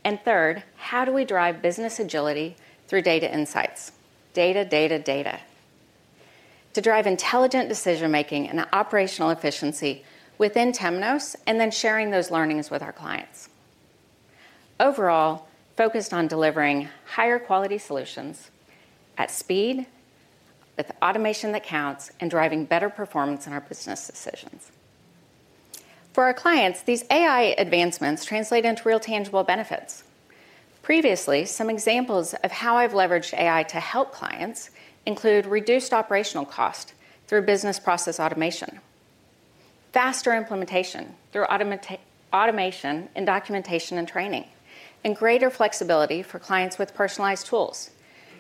And third, how do we drive business agility through data insights, data, data, data to drive intelligent decision-making and operational efficiency within Temenos and then sharing those learnings with our clients? Overall, focused on delivering higher quality solutions at speed with automation that counts and driving better performance in our business decisions. For our clients, these AI advancements translate into real tangible benefits. Previously, some examples of how I've leveraged AI to help clients include reduced operational cost through business process automation, faster implementation through automation and documentation and training, and greater flexibility for clients with personalized tools.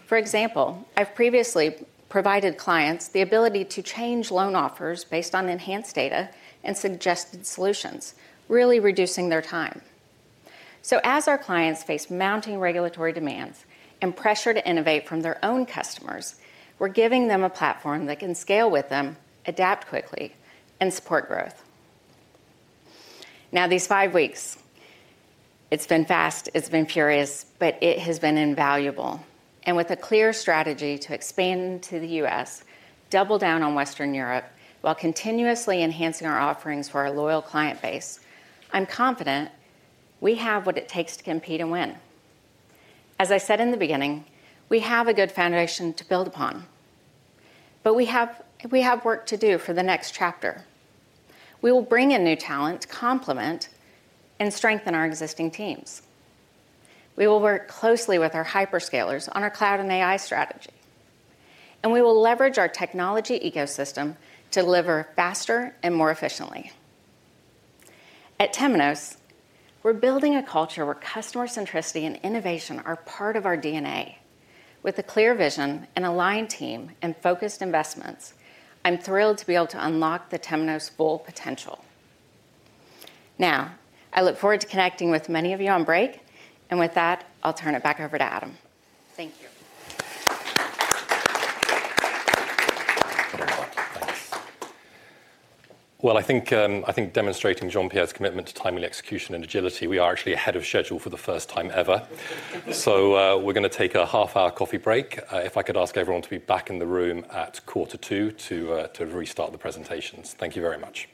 For example, I've previously provided clients the ability to change loan offers based on enhanced data and suggested solutions, really reducing their time. So as our clients face mounting regulatory demands and pressure to innovate from their own customers, we're giving them a platform that can scale with them, adapt quickly, and support growth. Now, these five weeks, it's been fast, it's been furious, but it has been invaluable. And with a clear strategy to expand to the U.S., double down on Western Europe while continuously enhancing our offerings for our loyal client base, I'm confident we have what it takes to compete and win. As I said in the beginning, we have a good foundation to build upon, but we have work to do for the next chapter. We will bring in new talent, complement, and strengthen our existing teams. We will work closely with our hyperscalers on our cloud and AI strategy, and we will leverage our technology ecosystem to deliver faster and more efficiently. At Temenos, we're building a culture where customer centricity and innovation are part of our DNA. With a clear vision and aligned team and focused investments, I'm thrilled to be able to unlock the Temenos full potential. Now, I look forward to connecting with many of you on break, and with that, I'll turn it back over to Adam. Thank you. I think demonstrating Jean-Pierre's commitment to timely execution and agility, we are actually ahead of schedule for the first time ever. So we're going to take a half-hour coffee break. If I could ask everyone to be back in the room at quarter two to restart the presentations. Thank you very much.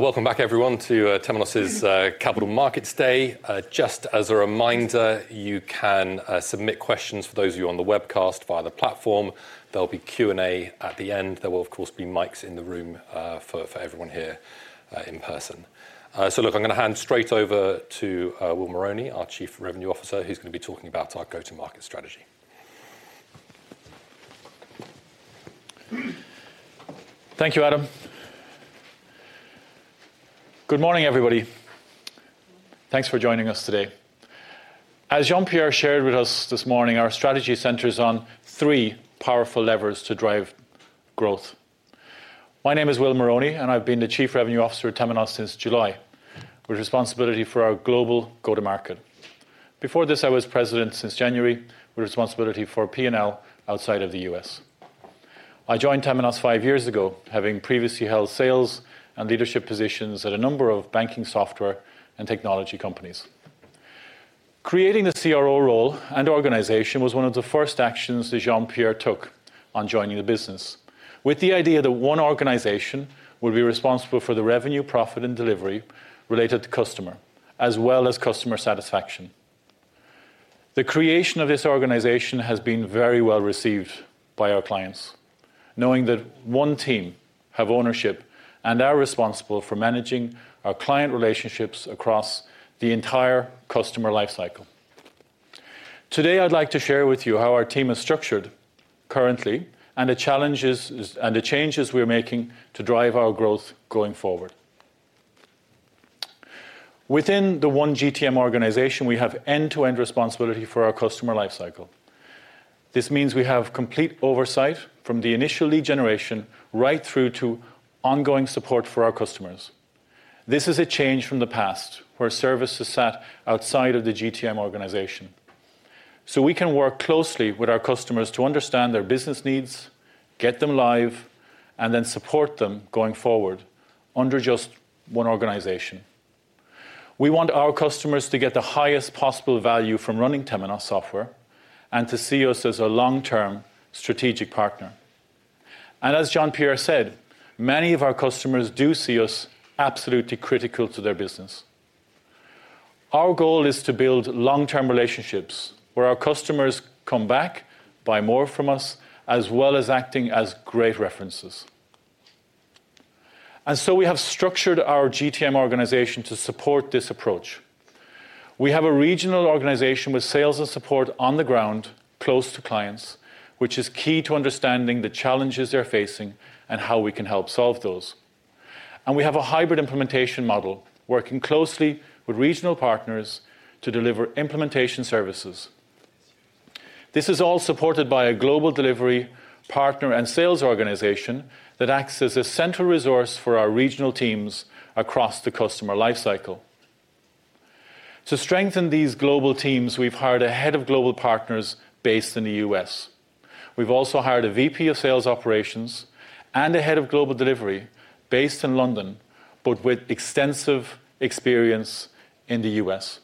Welcome back, everyone, to Temenos' Capital Markets Day. Just as a reminder, you can submit questions for those of you on the webcast via the platform. There'll be Q&A at the end. There will, of course, be mics in the room for everyone here in person. So, look, I'm going to hand straight over to Will Moroney, our Chief Revenue Officer, who's going to be talking about our go-to-market strategy. Thank you, Adam. Good morning, everybody. Thanks for joining us today. As Jean-Pierre shared with us this morning, our strategy centers on three powerful levers to drive growth. My name is Will Moroney, and I've been the Chief Revenue Officer at Temenos since July, with responsibility for our global go-to-market. Before this, I was President since January, with responsibility for P&L outside of the U.S. I joined Temenos five years ago, having previously held sales and leadership positions at a number of banking software and technology companies. Creating the CRO role and organization was one of the first actions that Jean-Pierre took on joining the business, with the idea that one organization would be responsible for the revenue, profit, and delivery related to customer, as well as customer satisfaction. The creation of this organization has been very well received by our clients, knowing that one team has ownership and is responsible for managing our client relationships across the entire customer lifecycle. Today, I'd like to share with you how our team is structured currently and the changes we're making to drive our growth going forward. Within the one GTM organization, we have end-to-end responsibility for our customer lifecycle. This means we have complete oversight from the initial lead generation right through to ongoing support for our customers. This is a change from the past, where service is set outside of the GTM organization. So we can work closely with our customers to understand their business needs, get them live, and then support them going forward under just one organization. We want our customers to get the highest possible value from running Temenos software and to see us as a long-term strategic partner, and as Jean-Pierre said, many of our customers do see us absolutely critical to their business. Our goal is to build long-term relationships where our customers come back, buy more from us, as well as acting as great references. And so we have structured our GTM organization to support this approach. We have a regional organization with sales and support on the ground close to clients, which is key to understanding the challenges they're facing and how we can help solve those. And we have a hybrid implementation model, working closely with regional partners to deliver implementation services. This is all supported by a global delivery partner and sales organization that acts as a central resource for our regional teams across the customer lifecycle. To strengthen these global teams, we've hired a head of global partners based in the U.S. We've also hired a VP of sales operations and a head of global delivery based in London, but with extensive experience in the US.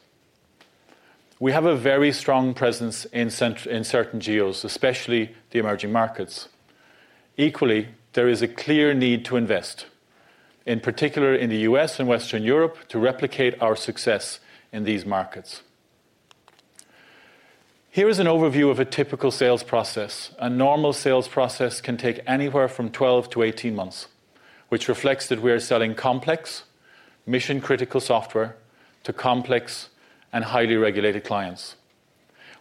We have a very strong presence in certain geos, especially the emerging markets. Equally, there is a clear need to invest, in particular in the U.S. and Western Europe, to replicate our success in these markets. Here is an overview of a typical sales process. A normal sales process can take anywhere from 12-18 months, which reflects that we are selling complex, mission-critical software to complex and highly regulated clients.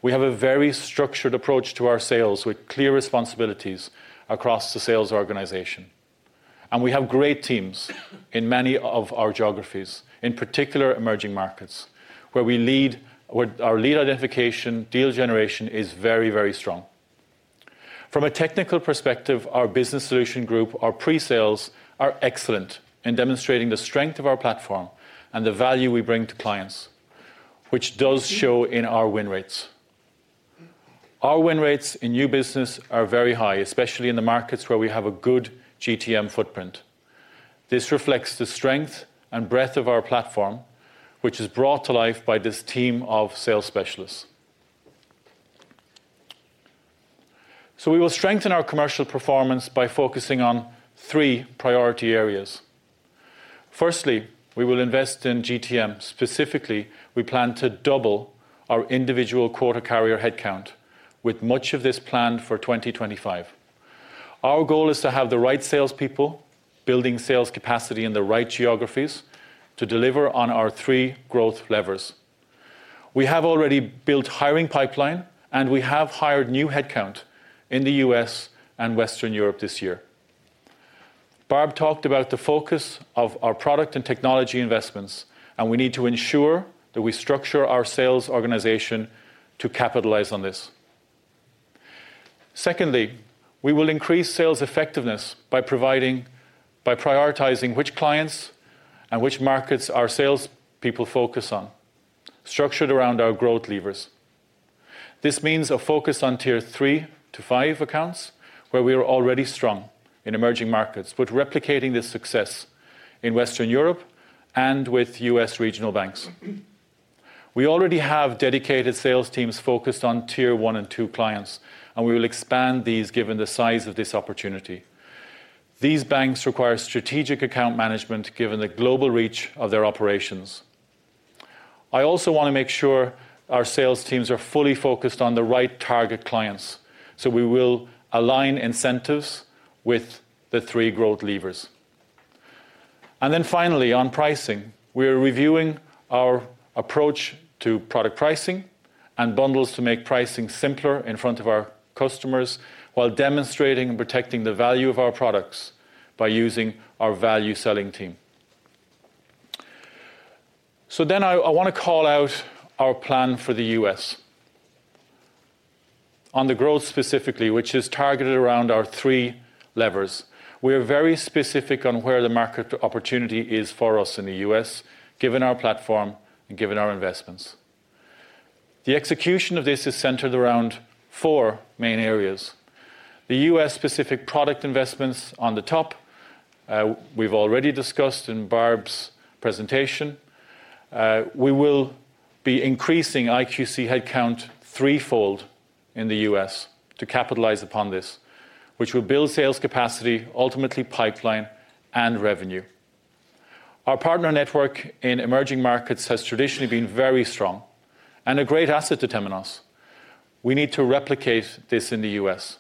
We have a very structured approach to our sales with clear responsibilities across the sales organization. And we have great teams in many of our geographies, in particular emerging markets, where our lead identification and deal generation is very, very strong. From a technical perspective, our Business Solutions Group, our pre-sales, are excellent in demonstrating the strength of our platform and the value we bring to clients, which does show in our win rates. Our win rates in new business are very high, especially in the markets where we have a good GTM footprint. This reflects the strength and breadth of our platform, which is brought to life by this team of sales specialists. So we will strengthen our commercial performance by focusing on three priority areas. Firstly, we will invest in GTM. Specifically, we plan to double our individual quota carrier headcount, with much of this planned for 2025. Our goal is to have the right salespeople, building sales capacity in the right geographies, to deliver on our three growth levers. We have already built a hiring pipeline, and we have hired new headcount in the U.S. and Western Europe this year. Barb talked about the focus of our product and technology investments, and we need to ensure that we structure our sales organization to capitalize on this. Secondly, we will increase sales effectiveness by prioritizing which clients and which markets our salespeople focus on, structured around our growth levers. This means a focus on tier three to five accounts, where we are already strong in emerging markets, but replicating this success in Western Europe and with U.S. regional banks. We already have dedicated sales teams focused on tier one and two clients, and we will expand these given the size of this opportunity. These banks require strategic account management given the global reach of their operations. I also want to make sure our sales teams are fully focused on the right target clients, so we will align incentives with the three growth levers. And then finally, on pricing, we are reviewing our approach to product pricing and bundles to make pricing simpler in front of our customers while demonstrating and protecting the value of our products by using our value selling team. So then I want to call out our plan for the U.S. on the growth specifically, which is targeted around our three levers. We are very specific on where the market opportunity is for us in the U.S., given our platform and given our investments. The execution of this is centered around four main areas: the U.S.-specific product investments on the top. We've already discussed in Barb's presentation. We will be increasing IQC headcount threefold in the U.S. to capitalize upon this, which will build sales capacity, ultimately pipeline and revenue. Our partner network in emerging markets has traditionally been very strong and a great asset to Temenos. We need to replicate this in the U.S.,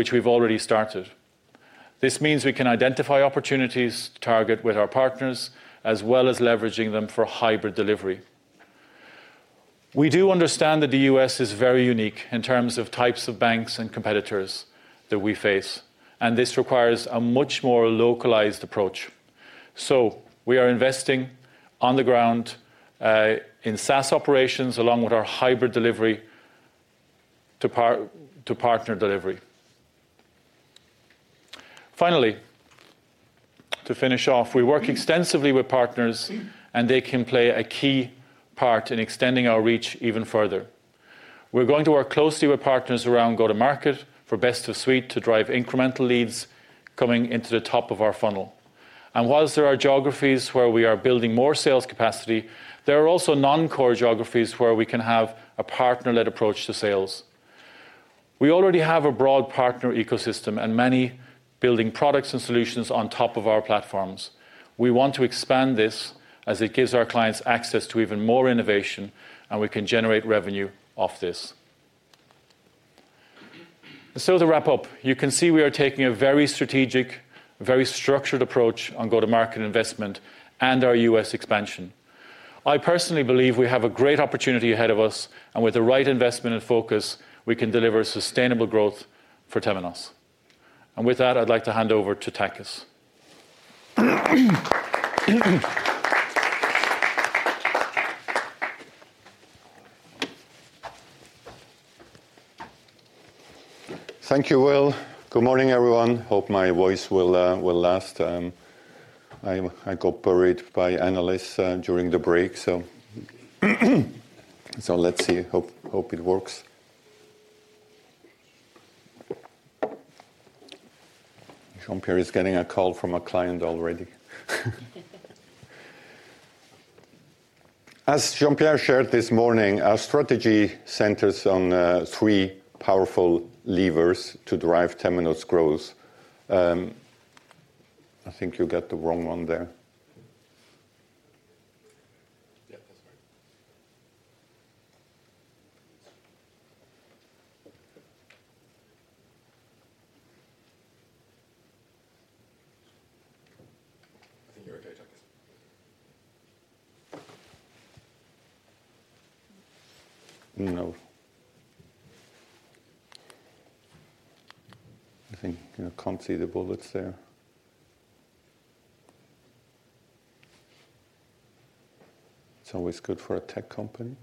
which we've already started. This means we can identify opportunities to target with our partners, as well as leveraging them for hybrid delivery. We do understand that the U.S. is very unique in terms of types of banks and competitors that we face, and this requires a much more localized approach. So we are investing on the ground in SaaS operations along with our hybrid delivery to partner delivery. Finally, to finish off, we work extensively with partners, and they can play a key part in extending our reach even further. We're going to work closely with partners around go-to-market for best-of-suite to drive incremental leads coming into the top of our funnel, and while there are geographies where we are building more sales capacity, there are also non-core geographies where we can have a partner-led approach to sales. We already have a broad partner ecosystem and many building products and solutions on top of our platforms. We want to expand this as it gives our clients access to even more innovation, and we can generate revenue off this. So to wrap up, you can see we are taking a very strategic, very structured approach on go-to-market investment and our U.S. expansion. I personally believe we have a great opportunity ahead of us, and with the right investment and focus, we can deliver sustainable growth for Temenos. And with that, I'd like to hand over to Takis. Thank you, Will. Good morning, everyone. Hope my voice will last. I got buried by analysts during the break, so let's see. Hope it works. Jean-Pierre is getting a call from a client already. As Jean-Pierre shared this morning, our strategy centers on three powerful levers to drive Temenos' growth. I think you got the wrong one there. Yeah, that's right. I think you're okay, Takis. No. I think you can't see the bullets there. It's always good for a tech company.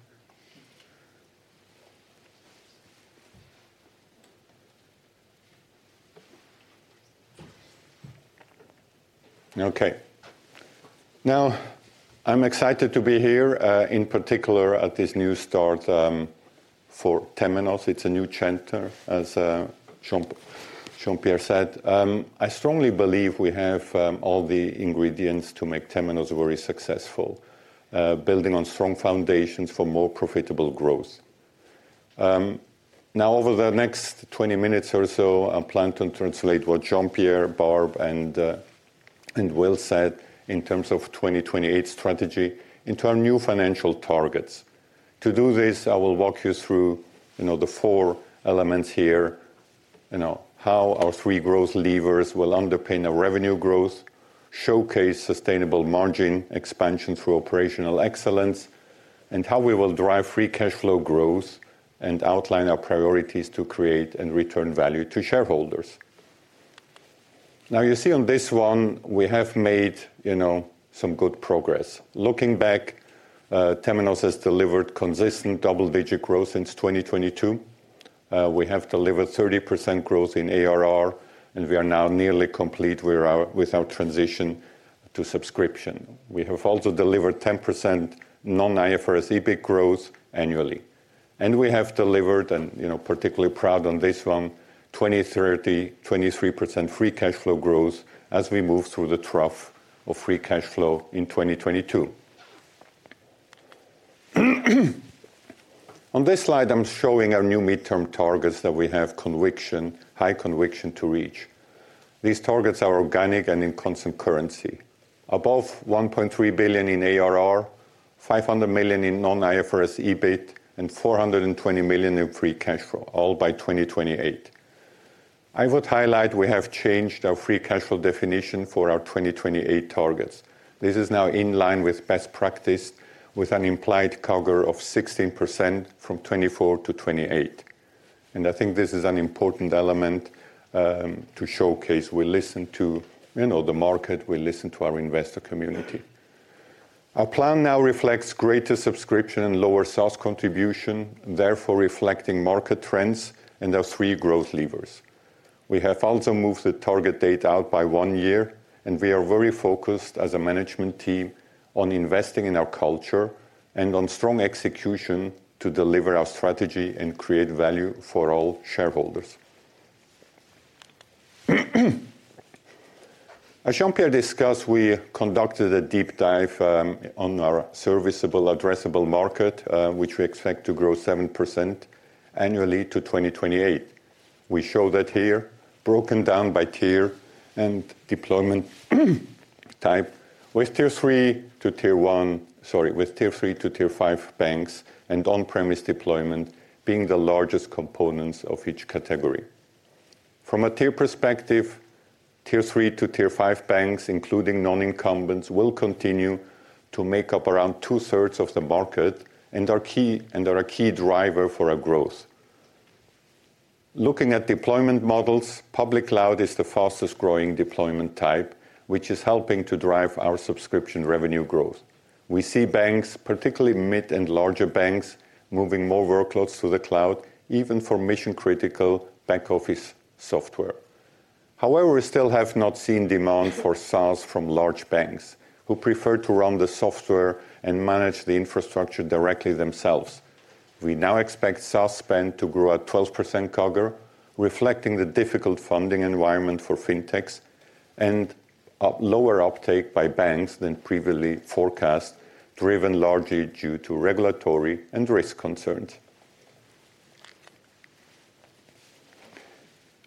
Okay. Now, I'm excited to be here, in particular at this new start for Temenos. It's a new chapter, as Jean-Pierre said. I strongly believe we have all the ingredients to make Temenos very successful, building on strong foundations for more profitable growth. Now, over the next 20 minutes or so, I plan to translate what Jean-Pierre, Barb, and Will said in terms of 2028 strategy into our new financial targets. To do this, I will walk you through the four elements here, how our three growth levers will underpin our revenue growth, showcase sustainable margin expansion through operational excellence, and how we will drive free cash flow growth and outline our priorities to create and return value to shareholders. Now, you see on this one, we have made some good progress. Looking back, Temenos has delivered consistent double-digit growth since 2022. We have delivered 30% growth in ARR, and we are now nearly complete with our transition to subscription. We have also delivered 10% non-IFRS EPS growth annually, and we have delivered, and particularly proud on this one, 20%, 30%, 23% free cash flow growth as we move through the trough of free cash flow in 2022. On this slide, I'm showing our new midterm targets that we have high conviction to reach. These targets are organic and in constant currency. Above $1.3 billion in ARR, $500 million in non-IFRS EBIT, and $420 million in free cash flow, all by 2028. I would highlight we have changed our free cash flow definition for our 2028 targets. This is now in line with best practice, with an implied cover of 16% from 24 to 28, and I think this is an important element to showcase. We listen to the market. We listen to our investor community. Our plan now reflects greater subscription and lower SaaS contribution, therefore reflecting market trends and our three growth levers. We have also moved the target date out by one year, and we are very focused as a management team on investing in our culture and on strong execution to deliver our strategy and create value for all shareholders. As Jean-Pierre discussed, we conducted a deep dive on our serviceable addressable market, which we expect to grow 7% annually to 2028. We show that here, broken down by tier and deployment type, with Tier three to Tier one, sorry, with Tier three to Tier five banks and on-premise deployment being the largest components of each category. From a tier perspective, Tier three to Tier five banks, including non-incumbents, will continue to make up around two-thirds of the market and are a key driver for our growth. Looking at deployment models, public cloud is the fastest-growing deployment type, which is helping to drive our subscription revenue growth. We see banks, particularly mid and larger banks, moving more workloads to the cloud, even for mission-critical back-office software. However, we still have not seen demand for SaaS from large banks, who prefer to run the software and manage the infrastructure directly themselves. We now expect SaaS spend to grow at 12% CAGR, reflecting the difficult funding environment for fintechs and lower uptake by banks than previously forecast, driven largely due to regulatory and risk concerns.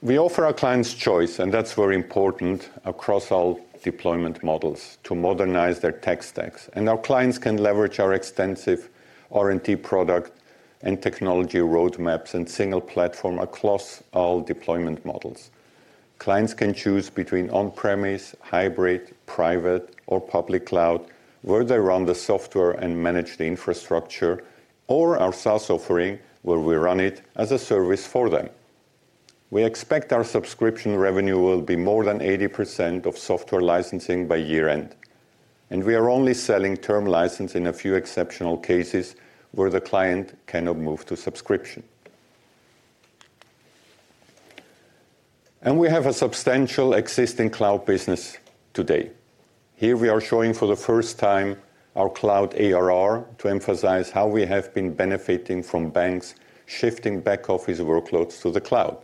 We offer our clients choice, and that's very important across all deployment models, to modernize their tech stacks, and our clients can leverage our extensive R&D product and technology roadmaps and single platform across all deployment models. Clients can choose between on-premise, hybrid, private, or public cloud, where they run the software and manage the infrastructure, or our SaaS offering, where we run it as a service for them. We expect our subscription revenue will be more than 80% of software licensing by year-end, and we are only selling term license in a few exceptional cases where the client cannot move to subscription, and we have a substantial existing cloud business today. Here, we are showing for the first time our cloud ARR to emphasize how we have been benefiting from banks shifting back-office workloads to the cloud.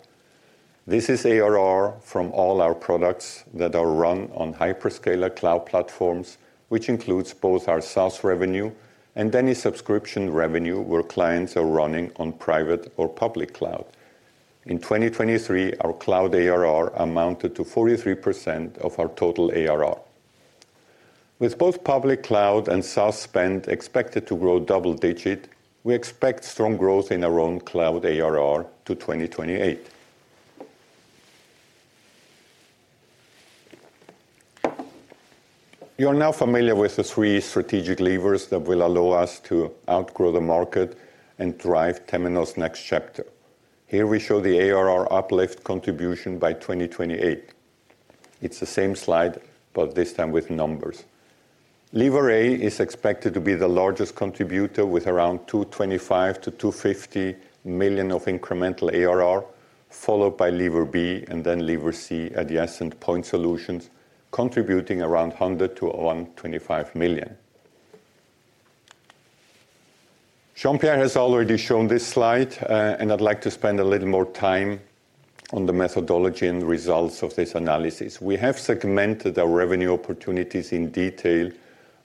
This is ARR from all our products that are run on hyperscaler cloud platforms, which includes both our SaaS revenue and any subscription revenue where clients are running on private or public cloud. In 2023, our cloud ARR amounted to 43% of our total ARR. With both public cloud and SaaS spend expected to grow double-digit, we expect strong growth in our own cloud ARR to 2028. You are now familiar with the three strategic levers that will allow us to outgrow the market and drive Temenos' next chapter. Here, we show the ARR uplift contribution by 2028. It's the same slide, but this time with numbers. Lever A is expected to be the largest contributor with around $225-$250 million of incremental ARR, followed by Lever B and then Lever C adjacent point solutions, contributing around $100-$125 million. Jean-Pierre has already shown this slide, and I'd like to spend a little more time on the methodology and results of this analysis. We have segmented our revenue opportunities in detail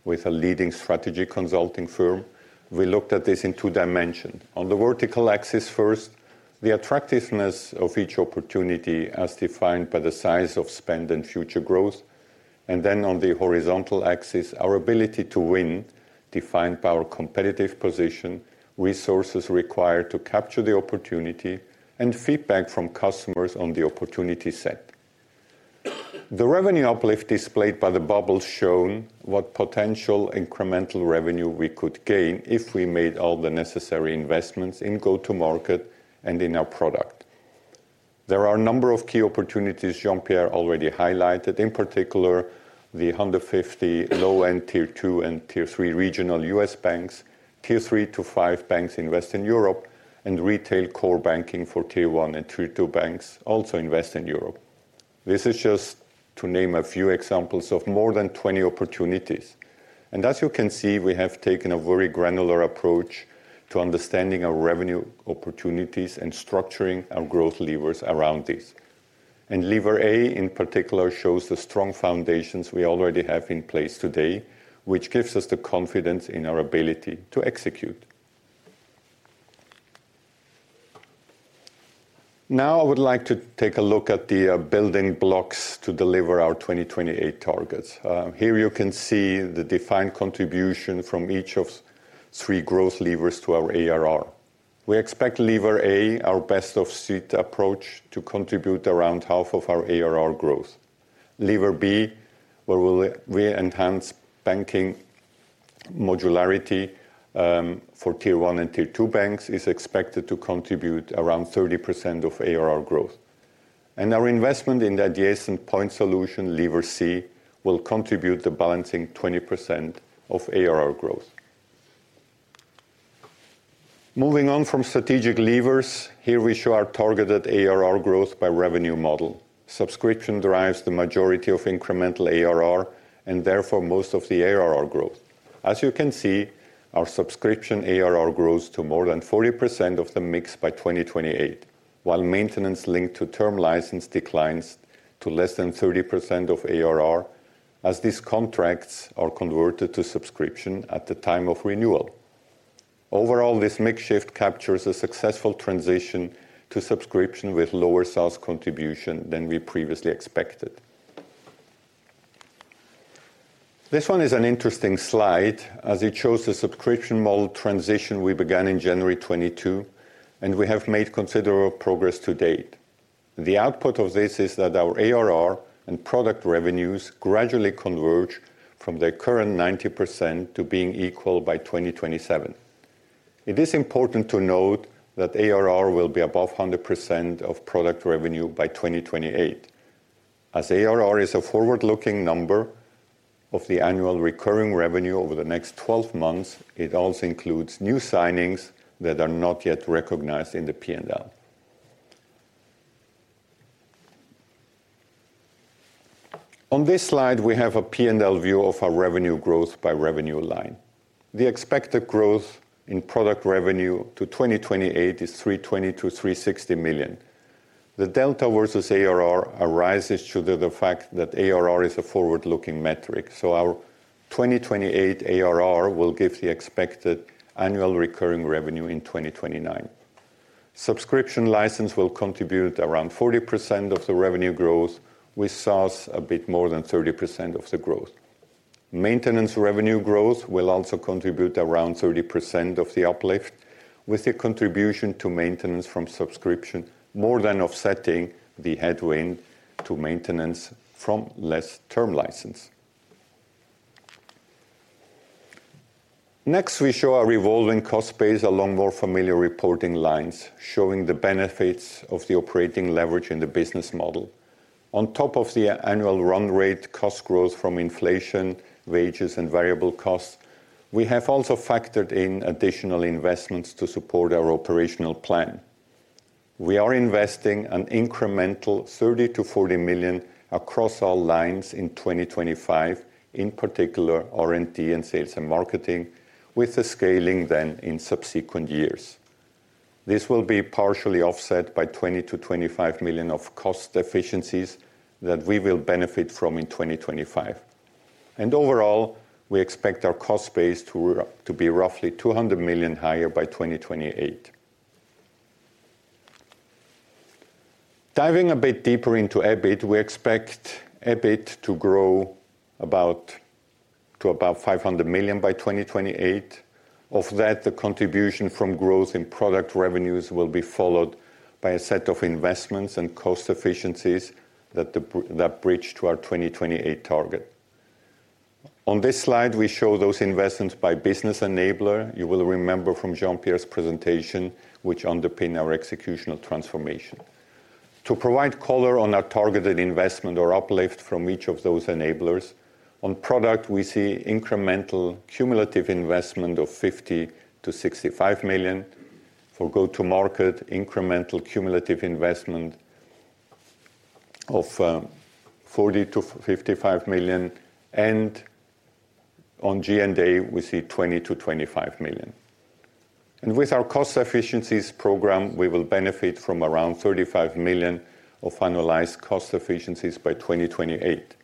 with a leading strategy consulting firm. We looked at this in two dimensions. On the vertical axis first, the attractiveness of each opportunity as defined by the size of spend and future growth, and then on the horizontal axis, our ability to win defined by our competitive position, resources required to capture the opportunity, and feedback from customers on the opportunity set. The revenue uplift displayed by the bubbles shown what potential incremental revenue we could gain if we made all the necessary investments in go-to-market and in our product. There are a number of key opportunities Jean-Pierre already highlighted, in particular the 150 low-end tier two and tier three regional U.S. banks, tier three to five banks invest in Europe, and retail core banking for tier one and tier two banks also invest in Europe. This is just to name a few examples of more than 20 opportunities. And as you can see, we have taken a very granular approach to understanding our revenue opportunities and structuring our growth levers around these. And Lever A, in particular, shows the strong foundations we already have in place today, which gives us the confidence in our ability to execute. Now, I would like to take a look at the building blocks to deliver our 2028 targets. Here, you can see the defined contribution from each of three growth levers to our ARR. We expect Lever A, our best-of-suite approach, to contribute around half of our ARR growth. Lever B, where we enhance banking modularity for Tier 1 and Tier 2 banks, is expected to contribute around 30% of ARR growth, and our investment in the adjacent point solution, Lever C, will contribute the balancing 20% of ARR growth. Moving on from strategic levers, here we show our targeted ARR growth by revenue model. Subscription drives the majority of incremental ARR and therefore most of the ARR growth. As you can see, our subscription ARR grows to more than 40% of the mix by 2028, while maintenance linked to term license declines to less than 30% of ARR as these contracts are converted to subscription at the time of renewal. Overall, this mix shift captures a successful transition to subscription with lower SaaS contribution than we previously expected. This one is an interesting slide as it shows the subscription model transition we began in January 2022, and we have made considerable progress to date. The output of this is that our ARR and product revenues gradually converge from their current 90% to being equal by 2027. It is important to note that ARR will be above 100% of product revenue by 2028. As ARR is a forward-looking number of the annual recurring revenue over the next 12 months, it also includes new signings that are not yet recognized in the P&L. On this slide, we have a P&L view of our revenue growth by revenue line. The expected growth in product revenue to 2028 is $320 million-$360 million. The delta versus ARR arises due to the fact that ARR is a forward-looking metric. So our 2028 ARR will give the expected annual recurring revenue in 2029. Subscription license will contribute around 40% of the revenue growth with SaaS, a bit more than 30% of the growth. Maintenance revenue growth will also contribute around 30% of the uplift, with the contribution to maintenance from subscription more than offsetting the headwind to maintenance from less term license. Next, we show our evolving cost base along more familiar reporting lines, showing the benefits of the operating leverage in the business model. On top of the annual run rate cost growth from inflation, wages, and variable costs, we have also factored in additional investments to support our operational plan. We are investing an incremental $30-$40 million across all lines in 2025, in particular R&D and sales and marketing, with the scaling then in subsequent years. This will be partially offset by $20-$25 million of cost efficiencies that we will benefit from in 2025. And overall, we expect our cost base to be roughly $200 million higher by 2028. Diving a bit deeper into EBIT, we expect EBIT to grow to about $500 million by 2028. Of that, the contribution from growth in product revenues will be followed by a set of investments and cost efficiencies that bridge to our 2028 target. On this slide, we show those investments by business enabler. You will remember from Jean-Pierre's presentation, which underpins our executional transformation. To provide color on our targeted investment or uplift from each of those enablers, on product, we see incremental cumulative investment of $50-$65 million for go-to-market, incremental cumulative investment of $40-$55 million, and on G&A, we see $20-$25 million. And with our cost efficiencies program, we will benefit from around $35 million of finalized cost efficiencies by 2028.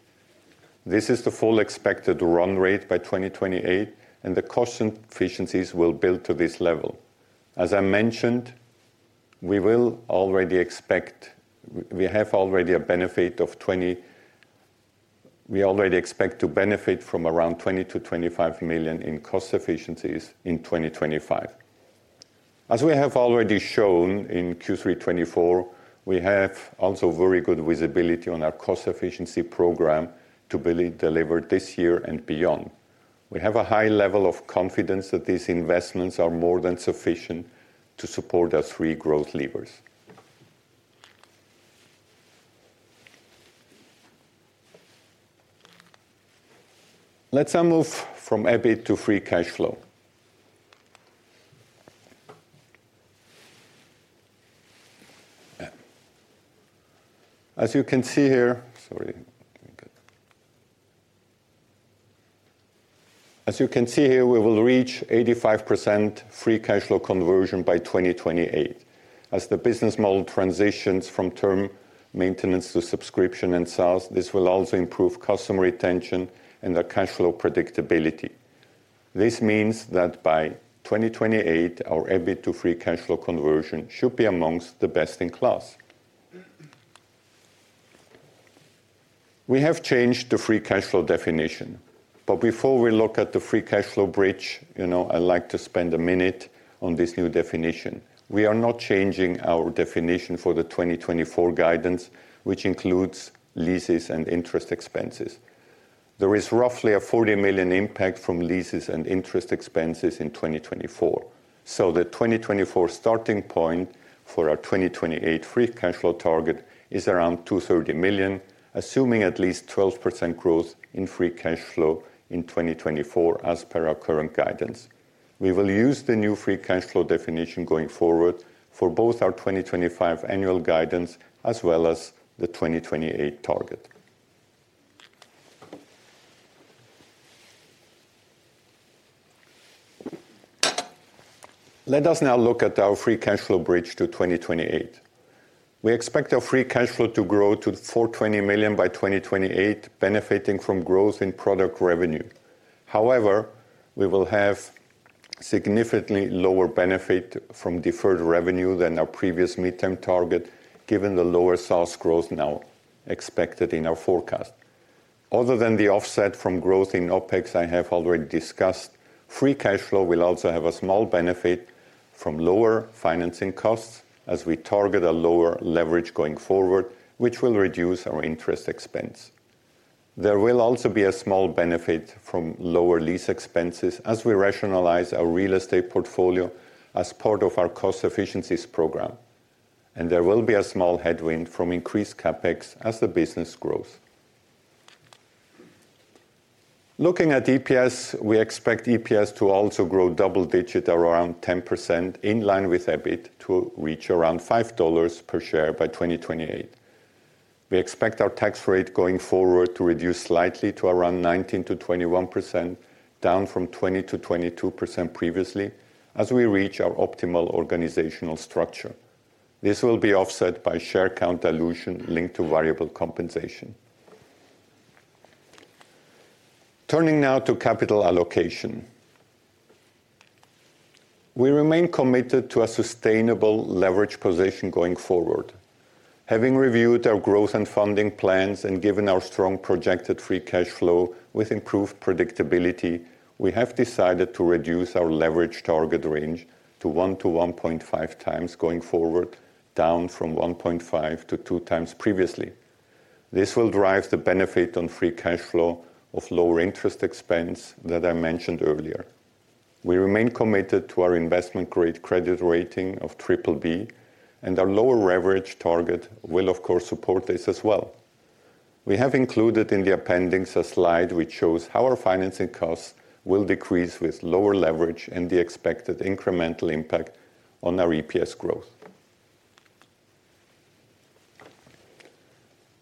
This is the full expected run rate by 2028, and the cost efficiencies will build to this level. As I mentioned, we already expect to benefit from around $20-25 million in cost efficiencies in 2025. As we have already shown in Q3 2024, we have also very good visibility on our cost efficiency program to be delivered this year and beyond. We have a high level of confidence that these investments are more than sufficient to support our three growth levers. Let's now move from EBIT to Free Cash Flow. As you can see here, sorry, we will reach 85% Free Cash Flow conversion by 2028. As the business model transitions from term maintenance to subscription and SaaS, this will also improve customer retention and our cash flow predictability. This means that by 2028, our EBIT to Free Cash Flow conversion should be among the best in class. We have changed the free cash flow definition. But before we look at the free cash flow bridge, I'd like to spend a minute on this new definition. We are not changing our definition for the 2024 guidance, which includes leases and interest expenses. There is roughly a $40 million impact from leases and interest expenses in 2024. So the 2024 starting point for our 2028 free cash flow target is around $230 million, assuming at least 12% growth in free cash flow in 2024 as per our current guidance. We will use the new free cash flow definition going forward for both our 2025 annual guidance as well as the 2028 target. Let us now look at our free cash flow bridge to 2028. We expect our free cash flow to grow to $420 million by 2028, benefiting from growth in product revenue. However, we will have significantly lower benefit from deferred revenue than our previous midterm target, given the lower SaaS growth now expected in our forecast. Other than the offset from growth in OpEx I have already discussed, free cash flow will also have a small benefit from lower financing costs as we target a lower leverage going forward, which will reduce our interest expense. There will also be a small benefit from lower lease expenses as we rationalize our real estate portfolio as part of our cost efficiencies program. And there will be a small headwind from increased CapEx as the business grows. Looking at EPS, we expect EPS to also grow double-digit or around 10% in line with EBIT to reach around $5 per share by 2028. We expect our tax rate going forward to reduce slightly to around 19%-21%, down from 20%-22% previously as we reach our optimal organizational structure. This will be offset by share count dilution linked to variable compensation. Turning now to capital allocation. We remain committed to a sustainable leverage position going forward. Having reviewed our growth and funding plans and given our strong projected free cash flow with improved predictability, we have decided to reduce our leverage target range to one to 1.5 times going forward, down from 1.5 to two times previously. This will drive the benefit on free cash flow of lower interest expense that I mentioned earlier. We remain committed to our investment grade credit rating of BBB, and our lower leverage target will, of course, support this as well. We have included in the appendix a slide which shows how our financing costs will decrease with lower leverage and the expected incremental impact on our EPS growth.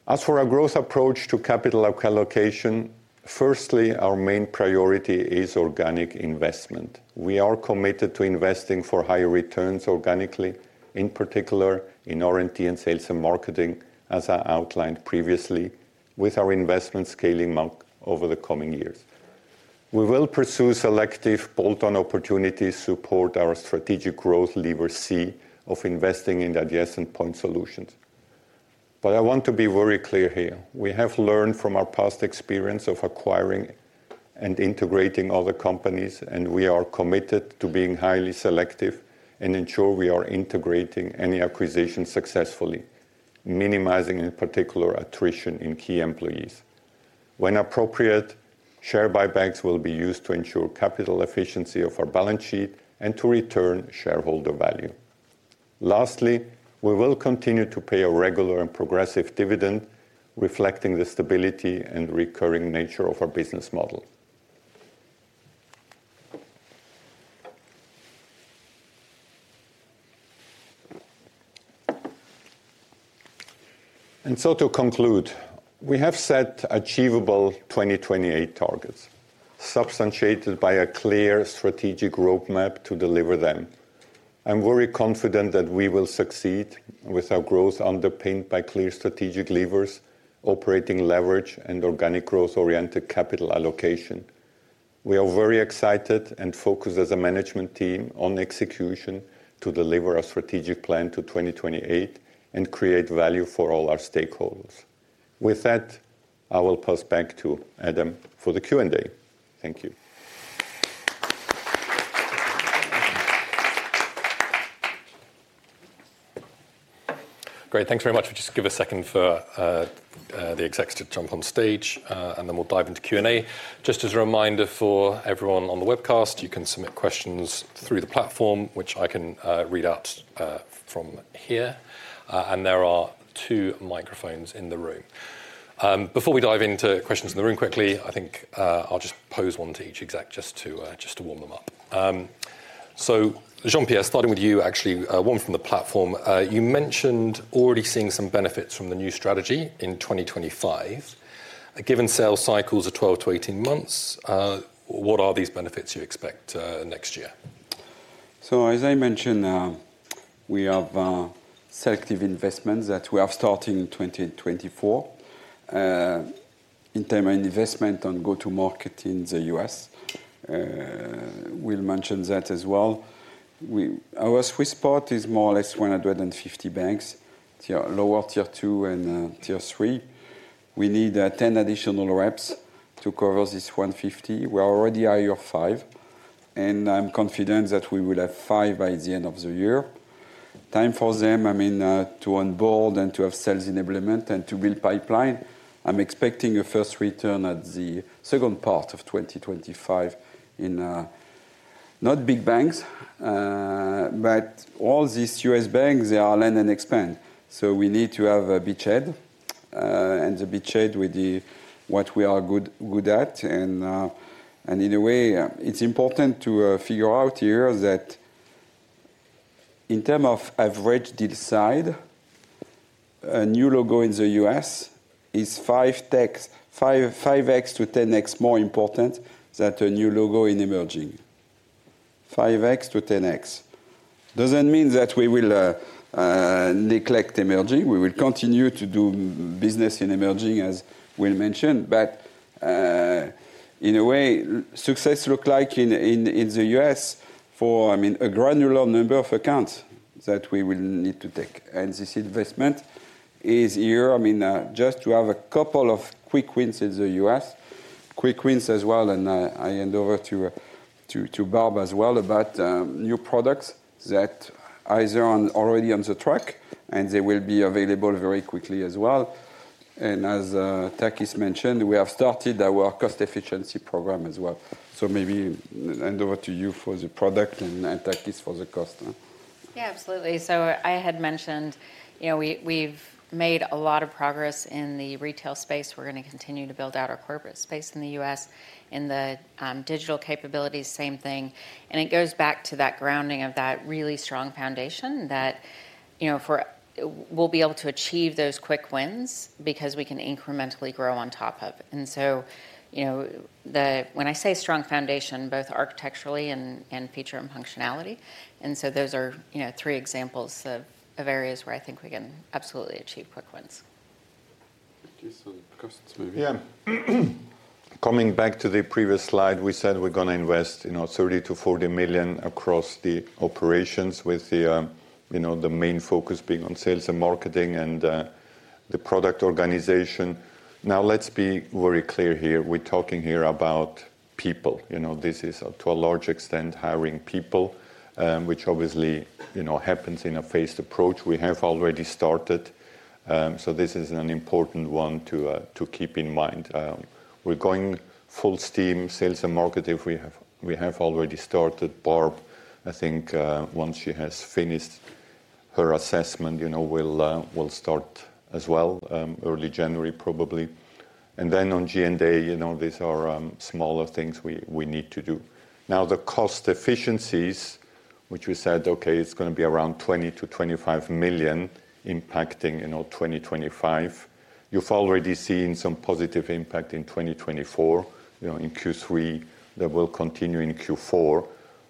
As for our growth approach to capital allocation, firstly, our main priority is organic investment. We are committed to investing for higher returns organically, in particular in R&D and sales and marketing, as I outlined previously, with our investment scaling markedly over the coming years. We will pursue selective bolt-on opportunities to support our strategic growth Lever C of investing in adjacent point solutions. But I want to be very clear here. We have learned from our past experience of acquiring and integrating other companies, and we are committed to being highly selective and ensure we are integrating any acquisition successfully, minimizing, in particular, attrition in key employees. When appropriate, share buybacks will be used to ensure capital efficiency of our balance sheet and to return shareholder value. Lastly, we will continue to pay a regular and progressive dividend, reflecting the stability and recurring nature of our business model. And so to conclude, we have set achievable 2028 targets, substantiated by a clear strategic roadmap to deliver them. I'm very confident that we will succeed with our growth underpinned by clear strategic levers, operating leverage, and organic growth-oriented capital allocation. We are very excited and focused as a management team on execution to deliver our strategic plan to 2028 and create value for all our stakeholders. With that, I will pass back to Adam for the Q&A. Thank you. Great. Thanks very much. We'll just give a second for the executive to jump on stage, and then we'll dive into Q&A. Just as a reminder for everyone on the webcast, you can submit questions through the platform, which I can read out from here, and there are two microphones in the room. Before we dive into questions in the room quickly, I think I'll just pose one to each exec just to warm them up. So Jean-Pierre, starting with you, actually, one from the platform. You mentioned already seeing some benefits from the new strategy in 2025. Given sales cycles of 12-18 months, what are these benefits you expect next year? So as I mentioned, we have selective investments that we are starting in 2024, interim investment on go-to-market in the U.S. We'll mention that as well. Our sweet spot is more or less 150 banks, lower Tier 2 and Tier 3. We need 10 additional reps to cover this 150. We're already higher five, and I'm confident that we will have five by the end of the year. Time for them, I mean, to onboard and to have sales enablement and to build pipeline. I'm expecting a first return at the second part of 2025 in not big banks, but all these US banks, they are land and expand. So we need to have a beachhead and the beachhead with what we are good at. And in a way, it's important to figure out here that in terms of average deal size, a new logo in the US is 5X to 10X more important than a new logo in emerging. 5X to 10X. Doesn't mean that we will neglect emerging. We will continue to do business in emerging, as we mentioned. But in a way, success looks like in the U.S. for, I mean, a granular number of accounts that we will need to take. And this investment is here, I mean, just to have a couple of quick wins in the US, quick wins as well. And I hand over to Barb as well about new products that are already on track, and they will be available very quickly as well. And as Takis mentioned, we have started our cost efficiency program as well. So maybe hand over to you for the product and Takis for the cost. Yeah, absolutely. So I had mentioned we've made a lot of progress in the retail space. We're going to continue to build out our corporate space in the U.S. in the digital capabilities, same thing. It goes back to that grounding of that really strong foundation that we'll be able to achieve those quick wins because we can incrementally grow on top of it. When I say strong foundation, both architecturally and feature and functionality. Those are three examples of areas where I think we can absolutely achieve quick wins. Just because it's maybe. Yeah. Coming back to the previous slide, we said we're going to invest $30-$40 million across the operations with the main focus being on sales and marketing and the product organization. Now, let's be very clear here. We're talking here about people. This is, to a large extent, hiring people, which obviously happens in a phased approach. We have already started. This is an important one to keep in mind. We're going full steam sales and marketing. We have already started. Barb, I think once she has finished her assessment, we'll start as well, early January, probably. And then on G&A, these are smaller things we need to do. Now, the cost efficiencies, which we said, okay, it's going to be around $20-25 million impacting 2025. You've already seen some positive impact in 2024 in Q3. That will continue in Q4.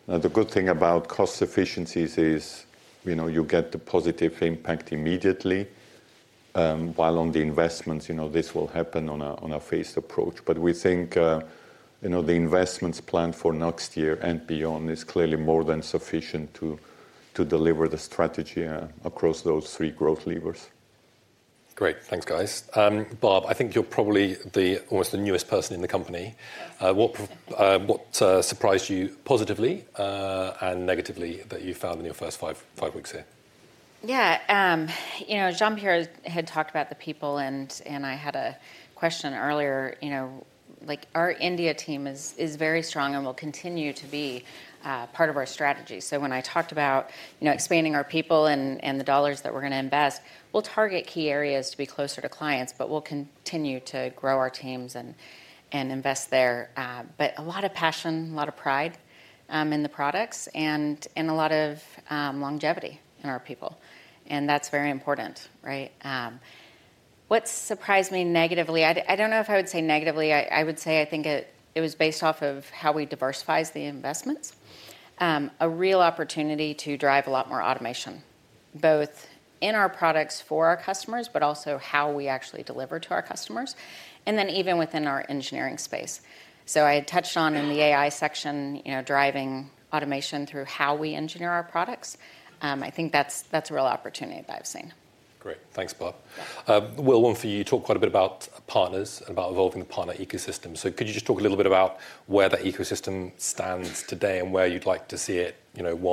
Now, the good thing about cost efficiencies is you get the positive impact immediately. While on the investments, this will happen on a phased approach. But we think the investments planned for next year and beyond is clearly more than sufficient to deliver the strategy across those three growth levers. Great. Thanks, guys. Barb, I think you're probably almost the newest person in the company. What surprised you positively and negatively that you found in your first five weeks here? Yeah. Jean-Pierre had talked about the people, and I had a question earlier. Our India team is very strong and will continue to be part of our strategy. So when I talked about expanding our people and the dollars that we're going to invest, we'll target key areas to be closer to clients, but we'll continue to grow our teams and invest there. But a lot of passion, a lot of pride in the products, and a lot of longevity in our people. And that's very important. What surprised me negatively? I don't know if I would say negatively. I would say I think it was based off of how we diversify the investments. A real opportunity to drive a lot more automation, both in our products for our customers, but also how we actually deliver to our customers, and then even within our engineering space. I touched on in the AI section, driving automation through how we engineer our products. I think that's a real opportunity that I've seen. Great. Thanks, Barb. Will, one for you. You talked quite a bit about partners and about evolving the partner ecosystem. So could you just talk a little bit about where that ecosystem stands today and where you'd like to see it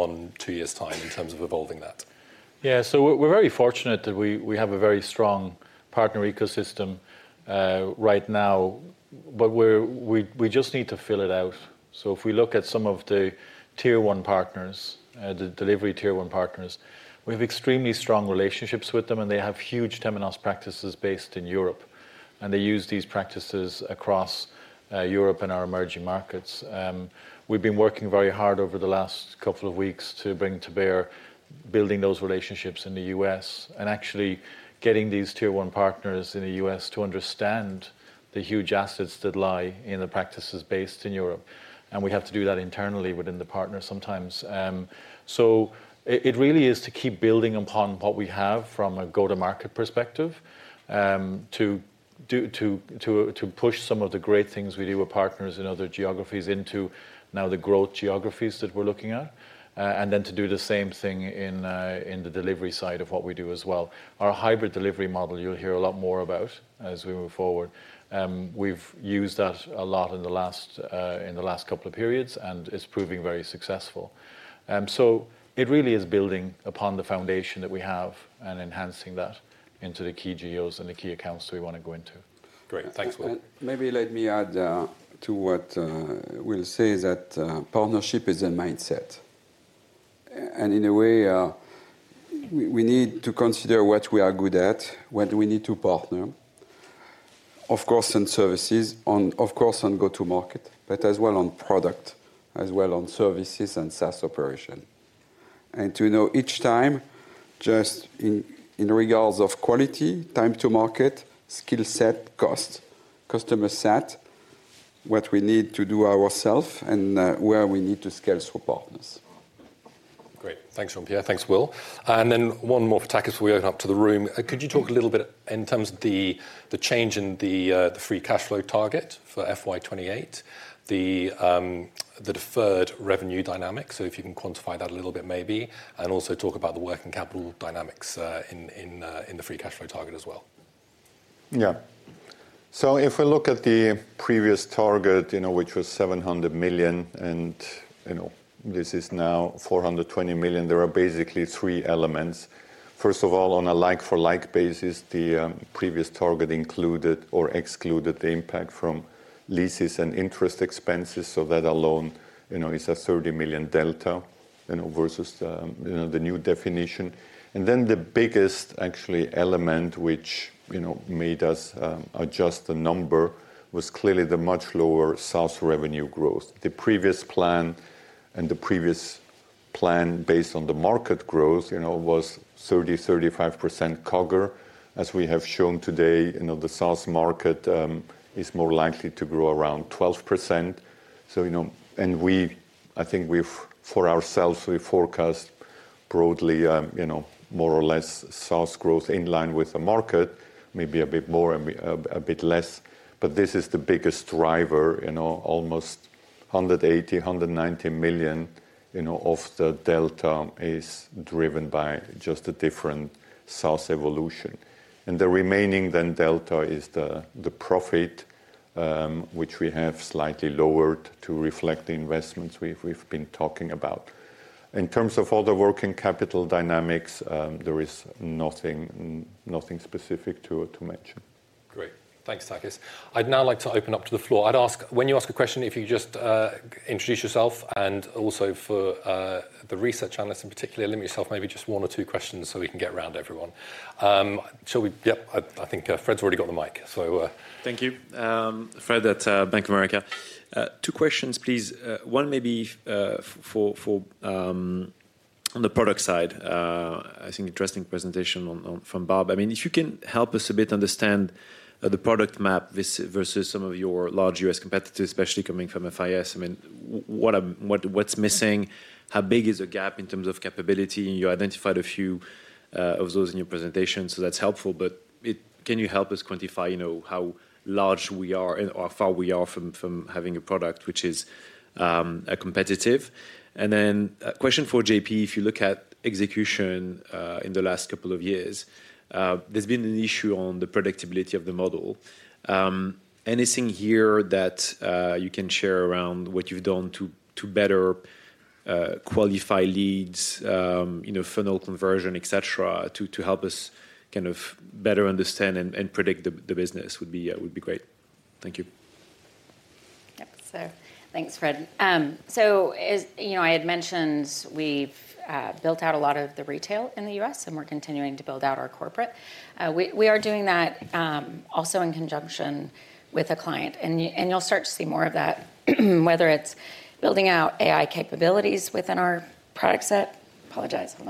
one, two years' time in terms of evolving that? Yeah. We're very fortunate that we have a very strong partner ecosystem right now, but we just need to fill it out. If we look at some of the tier one partners, the delivery tier one partners, we have extremely strong relationships with them, and they have huge Temenos practices based in Europe. They use these practices across Europe and our emerging markets. We've been working very hard over the last couple of weeks to bring to bear building those relationships in the U.S. and actually getting these tier one partners in the U.S. to understand the huge assets that lie in the practices based in Europe, and we have to do that internally within the partner sometimes, so it really is to keep building upon what we have from a go-to-market perspective to push some of the great things we do with partners in other geographies into now the growth geographies that we're looking at, and then to do the same thing in the delivery side of what we do as well. Our hybrid delivery model, you'll hear a lot more about as we move forward. We've used that a lot in the last couple of periods, and it's proving very successful. So it really is building upon the foundation that we have and enhancing that into the key geos and the key accounts that we want to go into. Great. Thanks, Will. Maybe let me add to what Will said, that partnership is a mindset. And in a way, we need to consider what we are good at, what we need to partner, of course, on services, of course, on go-to-market, but as well on product, as well on services and SaaS operation. And to know each time, just in regards of quality, time to market, skill set, cost, customer set, what we need to do ourselves, and where we need to scale through partners. Great. Thanks, Jean-Pierre. Thanks, Will. And then one more for Takis before we open up to the room. Could you talk a little bit in terms of the change in the free cash flow target for FY28, the deferred revenue dynamic? So if you can quantify that a little bit, maybe, and also talk about the working capital dynamics in the free cash flow target as well. Yeah. So if we look at the previous target, which was 700 million, and this is now 420 million, there are basically three elements. First of all, on a like-for-like basis, the previous target included or excluded the impact from leases and interest expenses. So that alone is a 30 million delta versus the new definition. And then the biggest actually element which made us adjust the number was clearly the much lower SaaS revenue growth. The previous plan based on the market growth was 30%-35% CAGR. As we have shown today, the SaaS market is more likely to grow around 12%. And I think for ourselves, we forecast broadly more or less SaaS growth in line with the market, maybe a bit more and a bit less. But this is the biggest driver. Almost $180-$190 million of the delta is driven by just a different SaaS evolution. And the remaining then delta is the profit, which we have slightly lowered to reflect the investments we've been talking about. In terms of other working capital dynamics, there is nothing specific to mention. Great. Thanks, Takis. I'd now like to open up to the floor. When you ask a question, if you just introduce yourself and also for the research analysts in particular, limit yourself maybe just one or two questions so we can get around everyone. Yep. I think Fred's already got the mic. Thank you. Fred at Bank of America. Two questions, please. One maybe on the product side. I think interesting presentation from Barb. I mean, if you can help us a bit understand the product map versus some of your large U.S. competitors, especially coming from FIS. I mean, what's missing? How big is the gap in terms of capability? You identified a few of those in your presentation, so that's helpful. But can you help us quantify how large we are and how far we are from having a product which is competitive? And then question for JP, if you look at execution in the last couple of years, there's been an issue on the predictability of the model. Anything here that you can share around what you've done to better qualify leads, funnel conversion, etc., to help us kind of better understand and predict the business would be great. Thank you. Yep. So thanks, Fred. So I had mentioned we've built out a lot of the retail in the US, and we're continuing to build out our corporate. We are doing that also in conjunction with a client. And you'll start to see more of that, whether it's building out AI capabilities within our product set. Apologize. Hold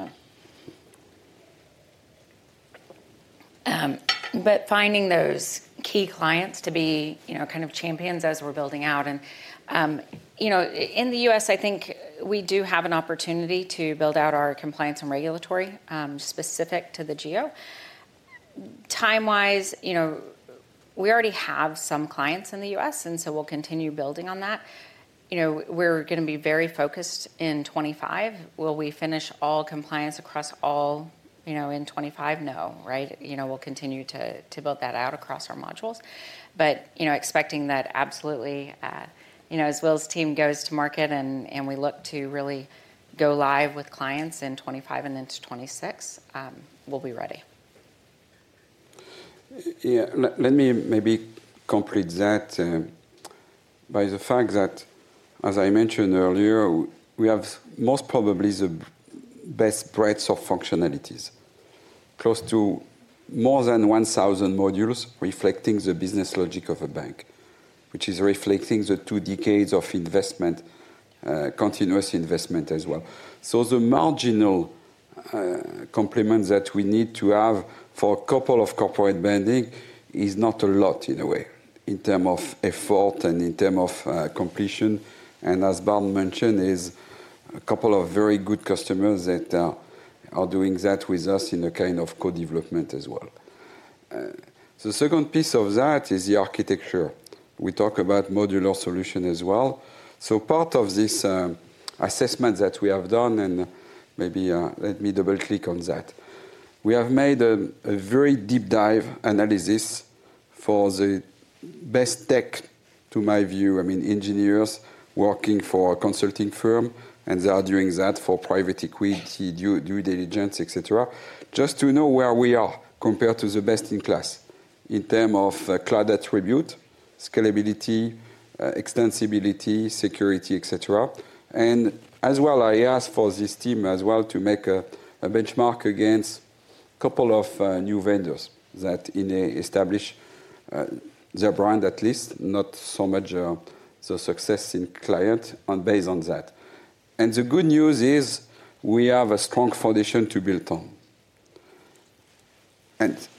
on. But finding those key clients to be kind of champions as we're building out. And in the US, I think we do have an opportunity to build out our compliance and regulatory specific to the geo. Time-wise, we already have some clients in the US, and so we'll continue building on that. We're going to be very focused in 2025. Will we finish all compliance across all in 2025? No. We'll continue to build that out across our modules. But expecting that absolutely, as Will's team goes to market and we look to really go live with clients in 2025 and into 2026, we'll be ready. Yeah. Let me maybe complete that by the fact that, as I mentioned earlier, we have most probably the best breadth of functionalities, close to more than 1,000 modules reflecting the business logic of a bank, which is reflecting the two decades of investment, continuous investment as well. So the marginal complement that we need to have for a couple of corporate banking is not a lot in a way, in terms of effort and in terms of completion. And as Barb mentioned, a couple of very good customers that are doing that with us in a kind of co-development as well. The second piece of that is the architecture. We talk about modular solution as well. So part of this assessment that we have done, and maybe let me double-click on that. We have made a very deep-dive analysis for the best tech, to my view, I mean, engineers working for a consulting firm, and they are doing that for private equity, due diligence, etc., just to know where we are compared to the best in class in terms of cloud attribute, scalability, extensibility, security, etc. And as well, I asked for this team as well to make a benchmark against a couple of new vendors that established their brand, at least, not so much the success in client base on that. And the good news is we have a strong foundation to build on,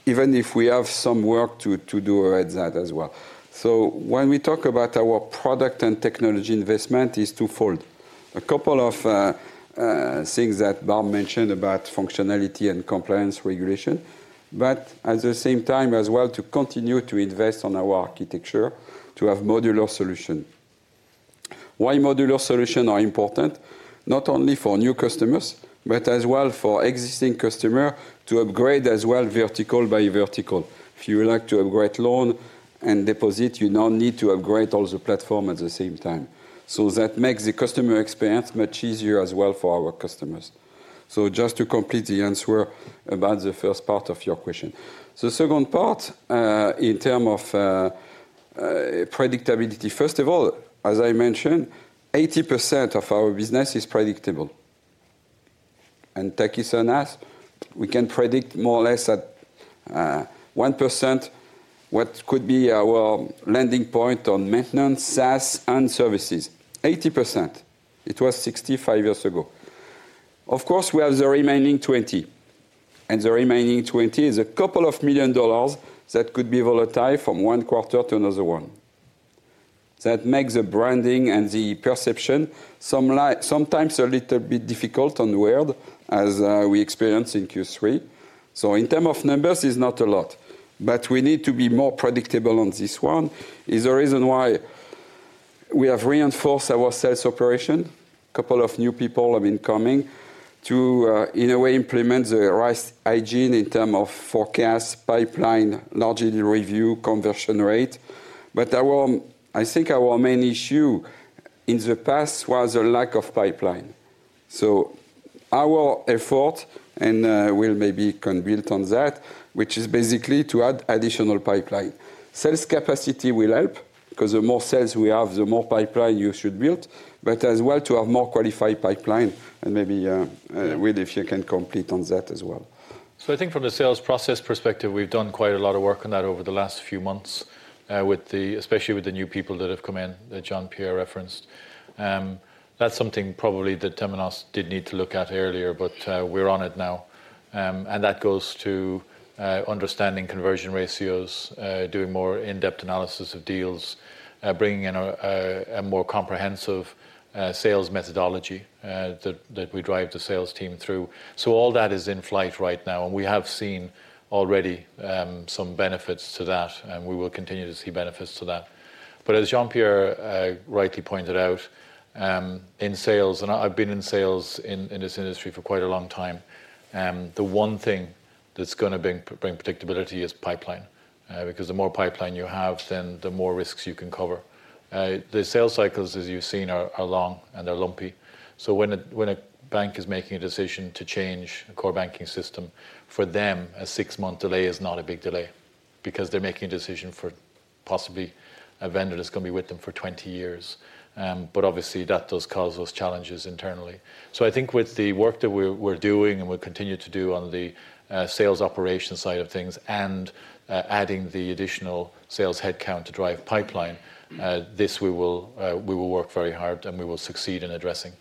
even if we have some work to do at that as well. So when we talk about our product and technology investment, it's twofold. A couple of things that Barb mentioned about functionality and compliance regulation, but at the same time as well, to continue to invest in our architecture to have modular solution. Why modular solutions are important? Not only for new customers, but as well for existing customers to upgrade as well vertical by vertical. If you would like to upgrade loan and deposit, you now need to upgrade all the platform at the same time. So that makes the customer experience much easier as well for our customers. So just to complete the answer about the first part of your question. The second part in terms of predictability, first of all, as I mentioned, 80% of our business is predictable. And Takis and us, we can predict more or less at 1% what could be our landing point on maintenance, SaaS, and services. 80%. It was 65% a year ago. Of course, we have the remaining 20, and the remaining 20 is a couple of million dollars that could be volatile from one quarter to another one. That makes the branding and the perception sometimes a little bit difficult on word, as we experienced in Q3. So in terms of numbers, it's not a lot. But we need to be more predictable on this one. It's the reason why we have reinforced our sales operation. A couple of new people have been coming to, in a way, implement the right hygiene in terms of forecast, pipeline, regular review, conversion rate. But I think our main issue in the past was a lack of pipeline. So our effort, and Will maybe can build on that, which is basically to add additional pipeline. Sales capacity will help because the more sales we have, the more pipeline you should build, but as well to have more qualified pipeline, and maybe Will, if you can comment on that as well So I think from the sales process perspective, we've done quite a lot of work on that over the last few months, especially with the new people that have come in that Jean-Pierre referenced. That's something probably that Temenos did need to look at earlier, but we're on it now, and that goes to understanding conversion ratios, doing more in-depth analysis of deals, bringing in a more comprehensive sales methodology that we drive the sales team through, so all that is in flight right now, and we have seen already some benefits to that, and we will continue to see benefits to that. As Jean-Pierre rightly pointed out, in sales, and I've been in sales in this industry for quite a long time, the one thing that's going to bring predictability is pipeline because the more pipeline you have, then the more risks you can cover. The sales cycles, as you've seen, are long and they're lumpy. So when a bank is making a decision to change a core banking system, for them, a six-month delay is not a big delay because they're making a decision for possibly a vendor that's going to be with them for 20 years. But obviously, that does cause those challenges internally. So I think with the work that we're doing and we'll continue to do on the sales operation side of things and adding the additional sales headcount to drive pipeline, this we will work very hard and we will succe`ed in addressing.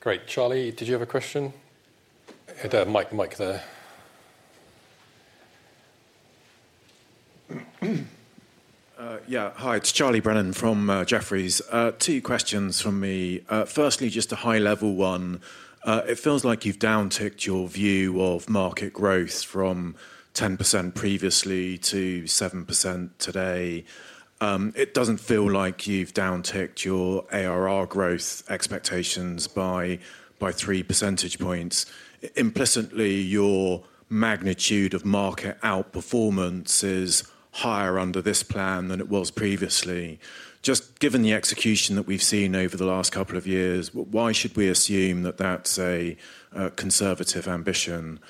Great. Charlie, did you have a question? I don't have a mic there. Yeah. Hi, it's Charlie Brennan from Jefferies. Two questions from me. Firstly, just a high-level one. It feels like you've downticked your view of market growth from 10% previously to 7% today. It doesn't feel like you've downticked your ARR growth expectations by three percentage points. Implicitly, your magnitude of market outperformance is higher under this plan than it was previously. Just given the execution that we've seen over the last couple of years, why should we assume that that's a conservative ambition?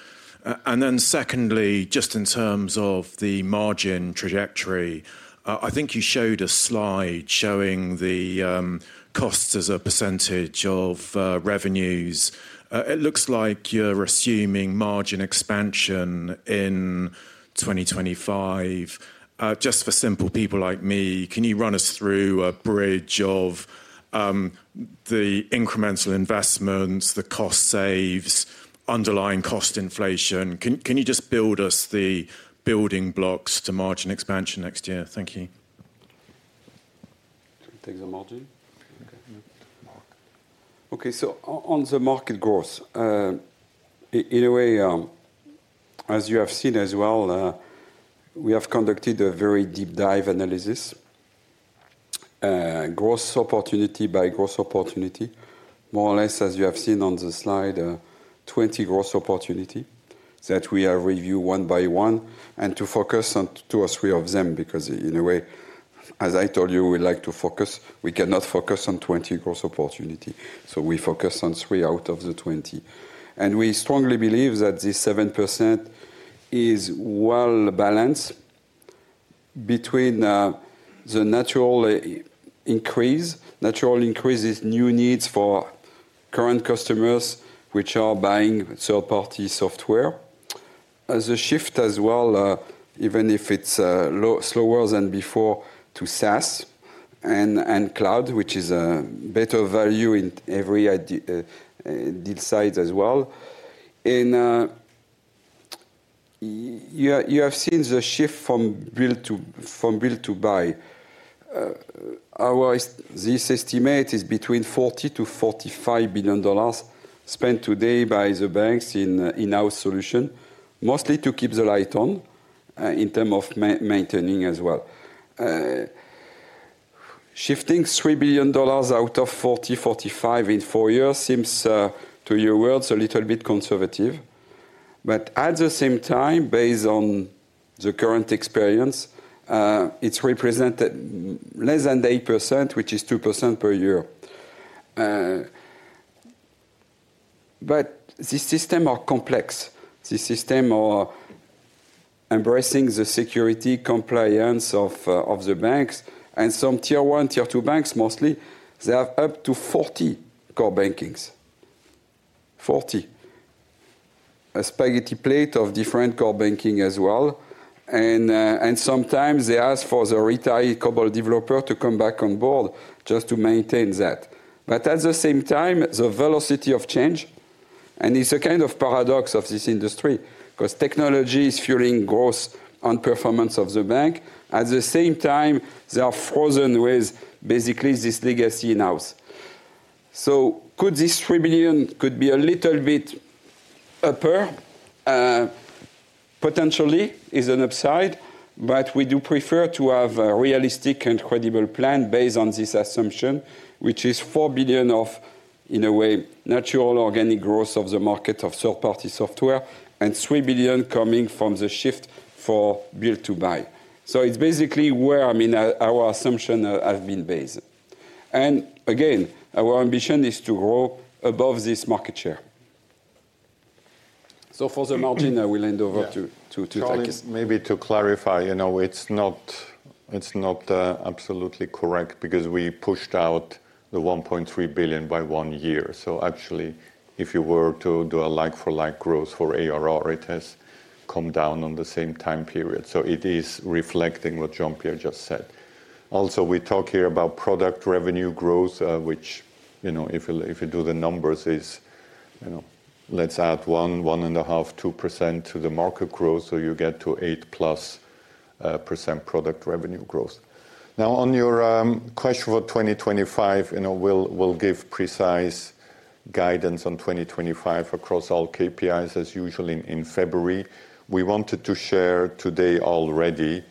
And then secondly, just in terms of the margin trajectory, I think you showed a slide showing the costs as a percentage of revenues. It looks like you're assuming margin expansion in 2025. Just for simple people like me, can you run us through a bridge of the incremental investments, the cost savings, underlying cost inflation? Can you just build us the building blocks to margin expansion next year? Thank you. Take the margin. Okay. So on the market growth, in a way, as you have seen as well, we have conducted a very deep dive analysis, growth opportunity by growth opportunity, more or less, as you have seen on the slide, 20 growth opportunities that we have reviewed one by one and to focus on two or three of them because, in a way, as I told you, we like to focus. We cannot focus on 20 growth opportunities. So we focus on three out of the 20. And we strongly believe that this 7% is well balanced between the natural increase, natural increases, new needs for current customers which are buying third-party software, the shift as well, even if it's slower than before, to SaaS and cloud, which is a better value in every deal size as well. And you have seen the shift from build to buy. This estimate is between $40-$45 billion spent today by the banks in-house solution, mostly to keep the lights on in terms of maintaining as well. Shifting $3 billion out of $40-$45 in four years seems, in your words, a little bit conservative. But at the same time, based on the current experience, it's represented less than 8%, which is 2% per year. But these systems are complex. These systems are embracing the security compliance of the banks. Some Tier 1, Tier 2 banks, mostly, have up to 40 core bankings, 40, a spaghetti plate of different core banking as well. Sometimes they ask for the retiree COBOL developer to come back on board just to maintain that, but at the same time, the velocity of change, and it's a kind of paradox of this industry because technology is fueling growth on performance of the bank. At the same time, they are frozen with basically this legacy in-house. Could this $3 billion be a little bit upper? Potentially is an upside, but we do prefer to have a realistic and credible plan based on this assumption, which is $4 billion of, in a way, natural organic growth of the market of third-party software and $3 billion coming from the shift for build to buy. So it's basically where, I mean, our assumption has been based. And again, our ambition is to grow above this market share. So for the margin, I will hand over to Takis. Maybe to clarify, it's not absolutely correct because we pushed out the $1.3 billion by one year. So actually, if you were to do a like-for-like growth for ARR, it has come down on the same time period. So it is reflecting what Jean-Pierre just said. Also, we talk here about product revenue growth, which if you do the numbers, let's add one, 1.5%, 2% to the market growth, so you get to 8%+ product revenue growth. Now, on your question for 2025, we'll give precise guidance on 2025 across all KPIs, as usually in February. We wanted to share today already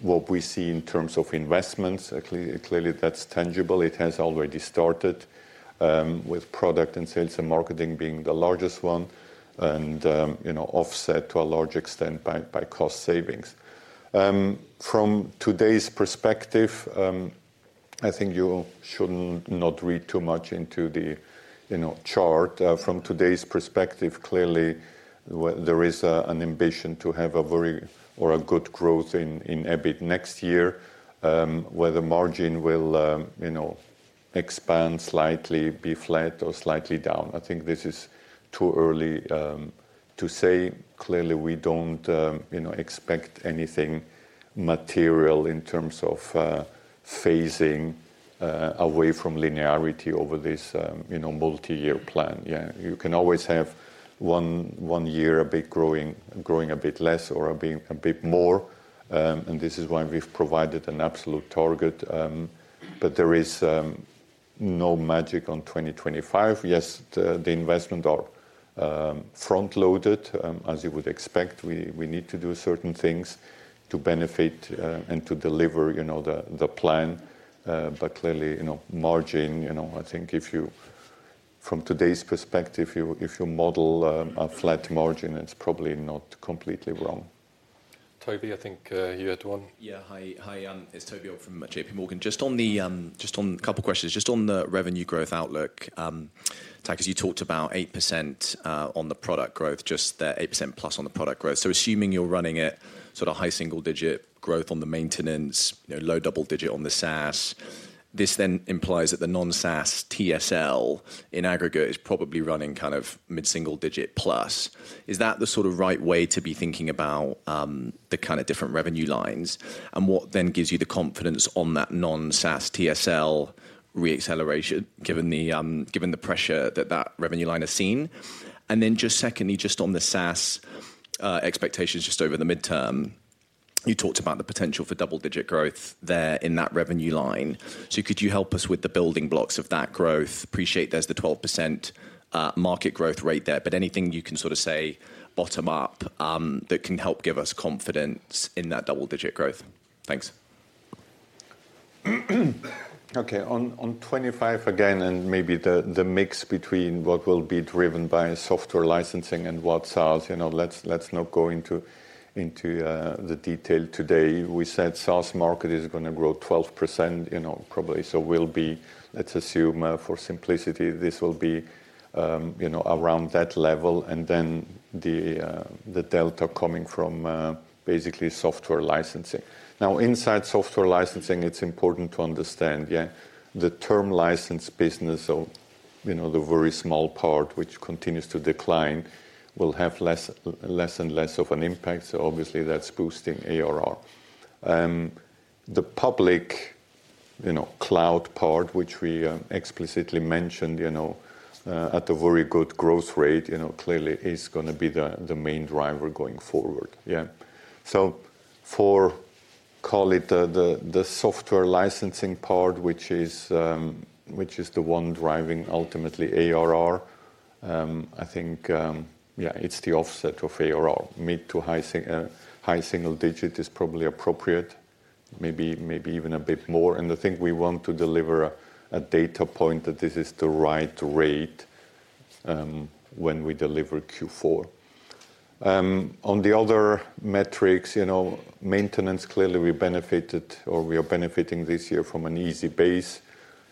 what we see in terms of investments. Clearly, that's tangible. It has already started with product and sales and marketing being the largest one and offset to a large extent by cost savings. From today's perspective, I think you should not read too much into the chart. From today's perspective, clearly, there is an ambition to have a very or a good growth in EBIT next year, where the margin will expand slightly, be flat, or slightly down. I think this is too early to say. Clearly, we don't expect anything material in terms of phasing away from linearity over this multi-year plan. You can always have one year a bit growing a bit less or a bit more, and this is why we've provided an absolute target, but there is no magic on 2025. Yes, the investments are front-loaded, as you would expect. We need to do certain things to benefit and to deliver the plan. But clearly, margin, I think from today's perspective, if you model a flat margin, it's probably not completely wrong. Toby, I think you had one. Yeah. Hi, it's Toby from JPMorgan. Just on a couple of questions, just on the revenue growth outlook, Takis, you talked about 8% on the product growth, just that 8%+ on the product growth. So assuming you're running at sort of high single-digit growth on the maintenance, low double-digit on the SaaS, this then implies that the non-SaaS TSL in aggregate is probably running kind of mid-single-digit plus. Is that the sort of right way to be thinking about the kind of different revenue lines and what then gives you the confidence on that non-SaaS TSL reacceleration given the pressure that that revenue line has seen? And then just secondly, just on the SaaS expectations just over the midterm, you talked about the potential for double-digit growth there in that revenue line. So could you help us with the building blocks of that growth? Appreciate there's the 12% market growth rate there, but anything you can sort of say bottom-up that can help give us confidence in that double-digit growth? Thanks. Okay. On 25 again, and maybe the mix between what will be driven by software licensing and what SaaS, let's not go into the detail today. We said SaaS market is going to grow 12%, probably. So we'll be, let's assume for simplicity, this will be around that level. And then the delta coming from basically software licensing. Now, inside software licensing, it's important to understand, yeah, the term license business of the very small part, which continues to decline, will have less and less of an impact. So obviously, that's boosting ARR. The public cloud part, which we explicitly mentioned at a very good growth rate, clearly is going to be the main driver going forward. Yeah. So for, call it the software licensing part, which is the one driving ultimately ARR, I think, yeah, it's the offset of ARR. Mid to high single-digit is probably appropriate, maybe even a bit more. And I think we want to deliver a data point that this is the right rate when we deliver Q4. On the other metrics, maintenance, clearly we benefited or we are benefiting this year from an easy base.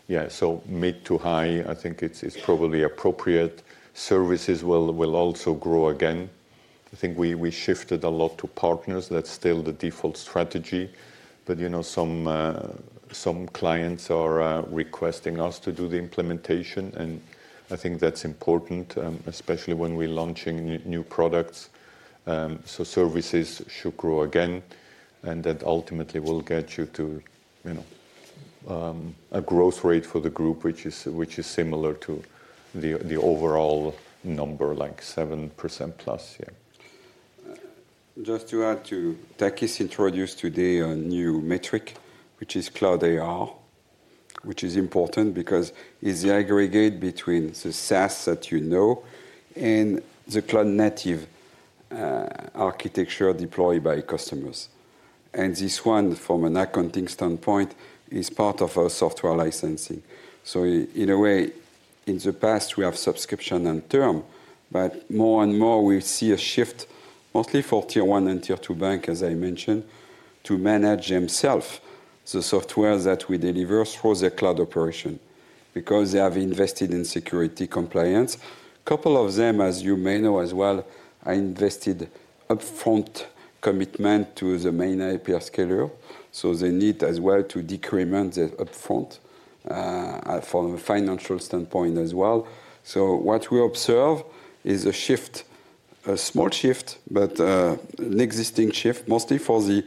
Yeah. So mid to high, I think it's probably appropriate. Services will also grow again. I think we shifted a lot to partners. That's still the default strategy. But some clients are requesting us to do the implementation. And I think that's important, especially when we're launching new products. So services should grow again. And that ultimately will get you to a growth rate for the group, which is similar to the overall number, like 7%+. Yeah. Just to add too, Takis introduced today a new metric, which is Cloud ARR, which is important because it's the aggregate between the SaaS that you know and the cloud-native architecture deployed by customers. And this one, from an accounting standpoint, is part of our software licensing. So in a way, in the past, we have subscription and term, but more and more we see a shift, mostly for Tier 1 and Tier 2 banks, as I mentioned, to manage themselves the software that we deliver through their cloud operation because they have invested in security compliance. A couple of them, as you may know as well, are invested upfront commitment to the main hyperscaler. So they need as well to depreciate the upfront from a financial standpoint as well. So what we observe is a shift, a small shift, but an existing shift, mostly for the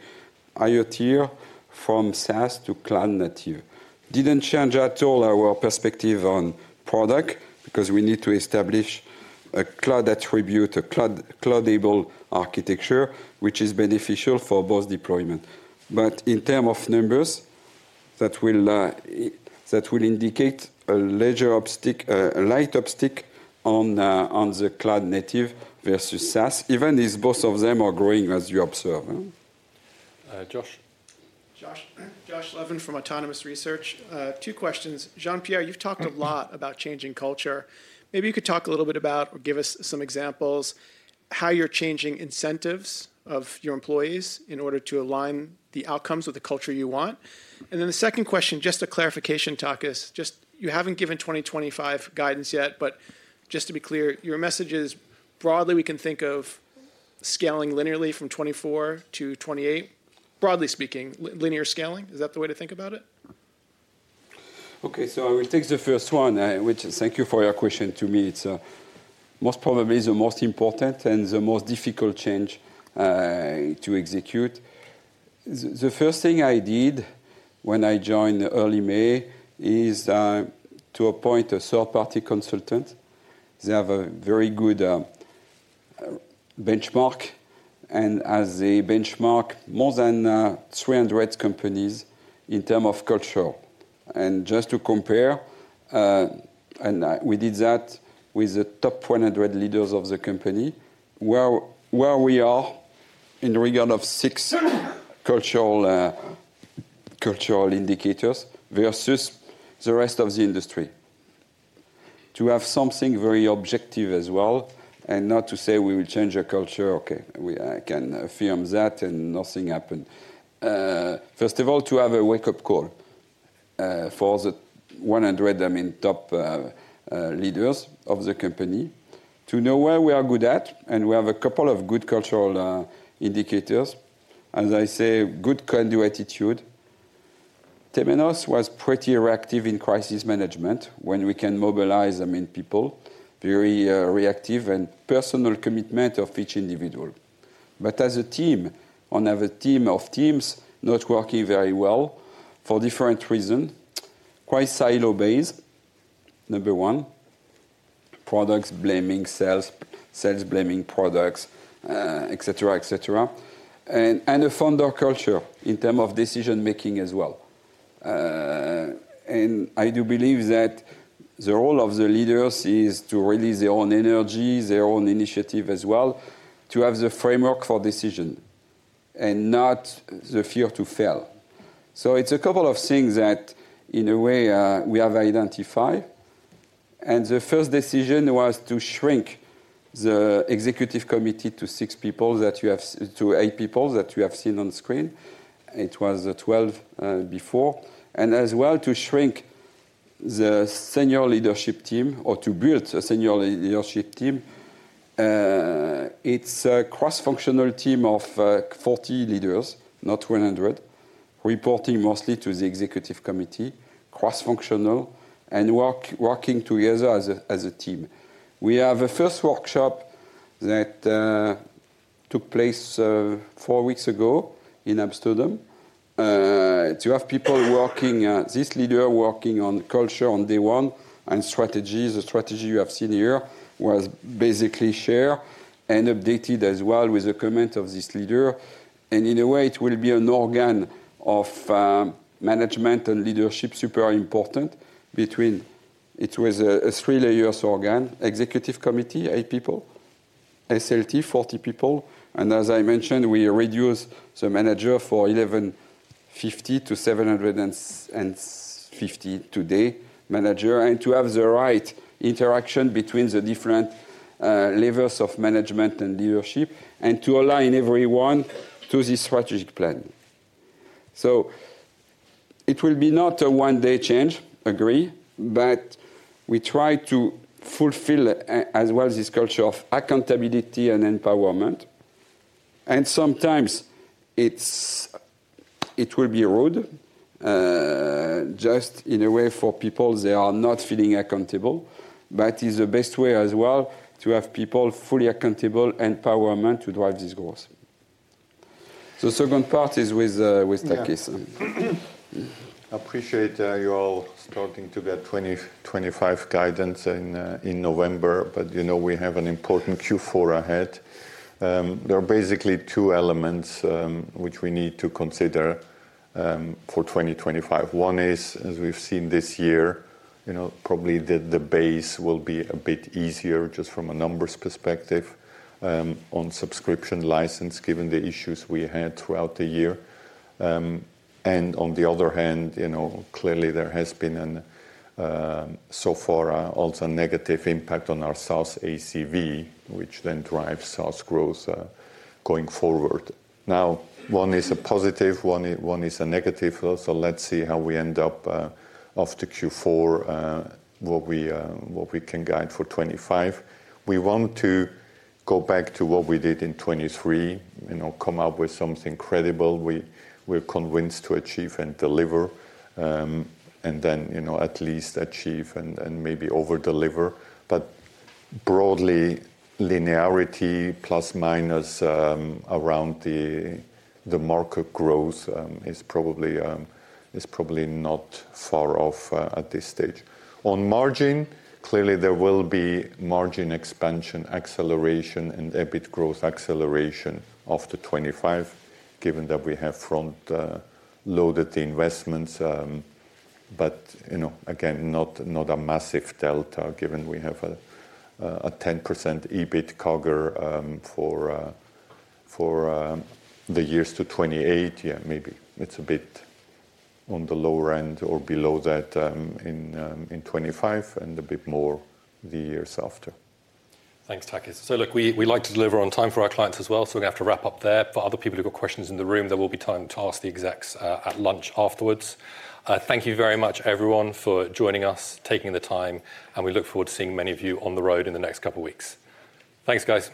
higher tiers from SaaS to cloud-native. Didn't change at all our perspective on product because we need to establish a cloud-native, a cloud-enabled architecture, which is beneficial for both deployment. But in terms of numbers, that will indicate a light uptick on the cloud-native versus SaaS, even if both of them are growing, as you observe. Josh. Josh Levin from Autonomous Research. Two questions. Jean-Pierre, you've talked a lot about changing culture. Maybe you could talk a little bit about or give us some examples how you're changing incentives of your employees in order to align the outcomes with the culture you want. And then the second question, just a clarification, Takis. Just you haven't given 2025 guidance yet, but just to be clear, your message is broadly we can think of scaling linearly from 24 to 28, broadly speaking, linear scaling. Is that the way to think about it? Okay. So I will take the first one, which thank you for your question. To me, it's most probably the most important and the most difficult change to execute. The first thing I did when I joined early May is to appoint a third-party consultant. They have a very good benchmark, and as they benchmark more than 300 companies in terms of culture, and just to compare, we did that with the top 100 leaders of the company, where we are in regard to six cultural indicators versus the rest of the industry, to have something very objective as well and not to say we will change our culture. Okay, I can affirm that and nothing happened. First of all, to have a wake-up call for the 100, I mean, top leaders of the company to know where we are good at, and we have a couple of good cultural indicators. As I say, good conduciveness. Temenos was pretty reactive in crisis management when we can mobilize people, very reactive and personal commitment of each individual. But as a team, on a team of teams, not working very well for different reasons, quite silo based, number one, products blaming, sales blaming products, etc., etc. And a founder culture in terms of decision-making as well. And I do believe that the role of the leaders is to release their own energy, their own initiative as well, to have the framework for decision and not the fear to fail. So it's a couple of things that in a way we have identified. And the first decision was to shrink the executive committee to eight people that you have seen on screen. It was 12 before. And as well to shrink the senior leadership team or to build a senior leadership team. It's a cross-functional team of 40 leaders, not 100, reporting mostly to the executive committee, cross-functional and working together as a team. We have a first workshop that took place four weeks ago in Amsterdam. To have people working, this leader working on culture on day one and strategies. The strategy you have seen here was basically shared and updated as well with the comment of this leader. And in a way, it will be an organ of management and leadership super important between it was a three-layer organ, executive committee, eight people, SLT, 40 people. And as I mentioned, we reduce the manager for 1,150 to 750 today, manager, and to have the right interaction between the different levels of management and leadership and to align everyone to the strategic plan. So it will be not a one-day change, agree, but we try to fulfill as well this culture of accountability and empowerment. And sometimes it will be rude just in a way for people they are not feeling accountable, but it's the best way as well to have people fully accountable, empowerment to drive this growth. The second part is with Takis. Appreciate you all starting to get 2025 guidance in November, but we have an important Q4 ahead. There are basically two elements which we need to consider for 2025. One is, as we've seen this year, probably the base will be a bit easier just from a numbers perspective on subscription license, given the issues we had throughout the year. And on the other hand, clearly there has been so far also a negative impact on our SaaS ACV, which then drives SaaS growth going forward. Now, one is a positive, one is a negative. So let's see how we end up after Q4, what we can guide for 25. We want to go back to what we did in 23, come up with something credible we're convinced to achieve and deliver, and then at least achieve and maybe overdeliver. But broadly, linearity plus minus around the market growth is probably not far off at this stage. On margin, clearly there will be margin expansion, acceleration, and EBIT growth acceleration after 25, given that we have front-loaded the investments. But again, not a massive delta given we have a 10% EBIT cover for the years to 28. Yeah, maybe it's a bit on the lower end or below that in 25 and a bit more the years after. Thanks, Takis. So look, we like to deliver on time for our clients as well. We're going to have to wrap up there. For other people who've got questions in the room, there will be time to ask the execs at lunch afterwards. Thank you very much, everyone, for joining us, taking the time. We look forward to seeing many of you on the road in the next couple of weeks. Thanks, guys.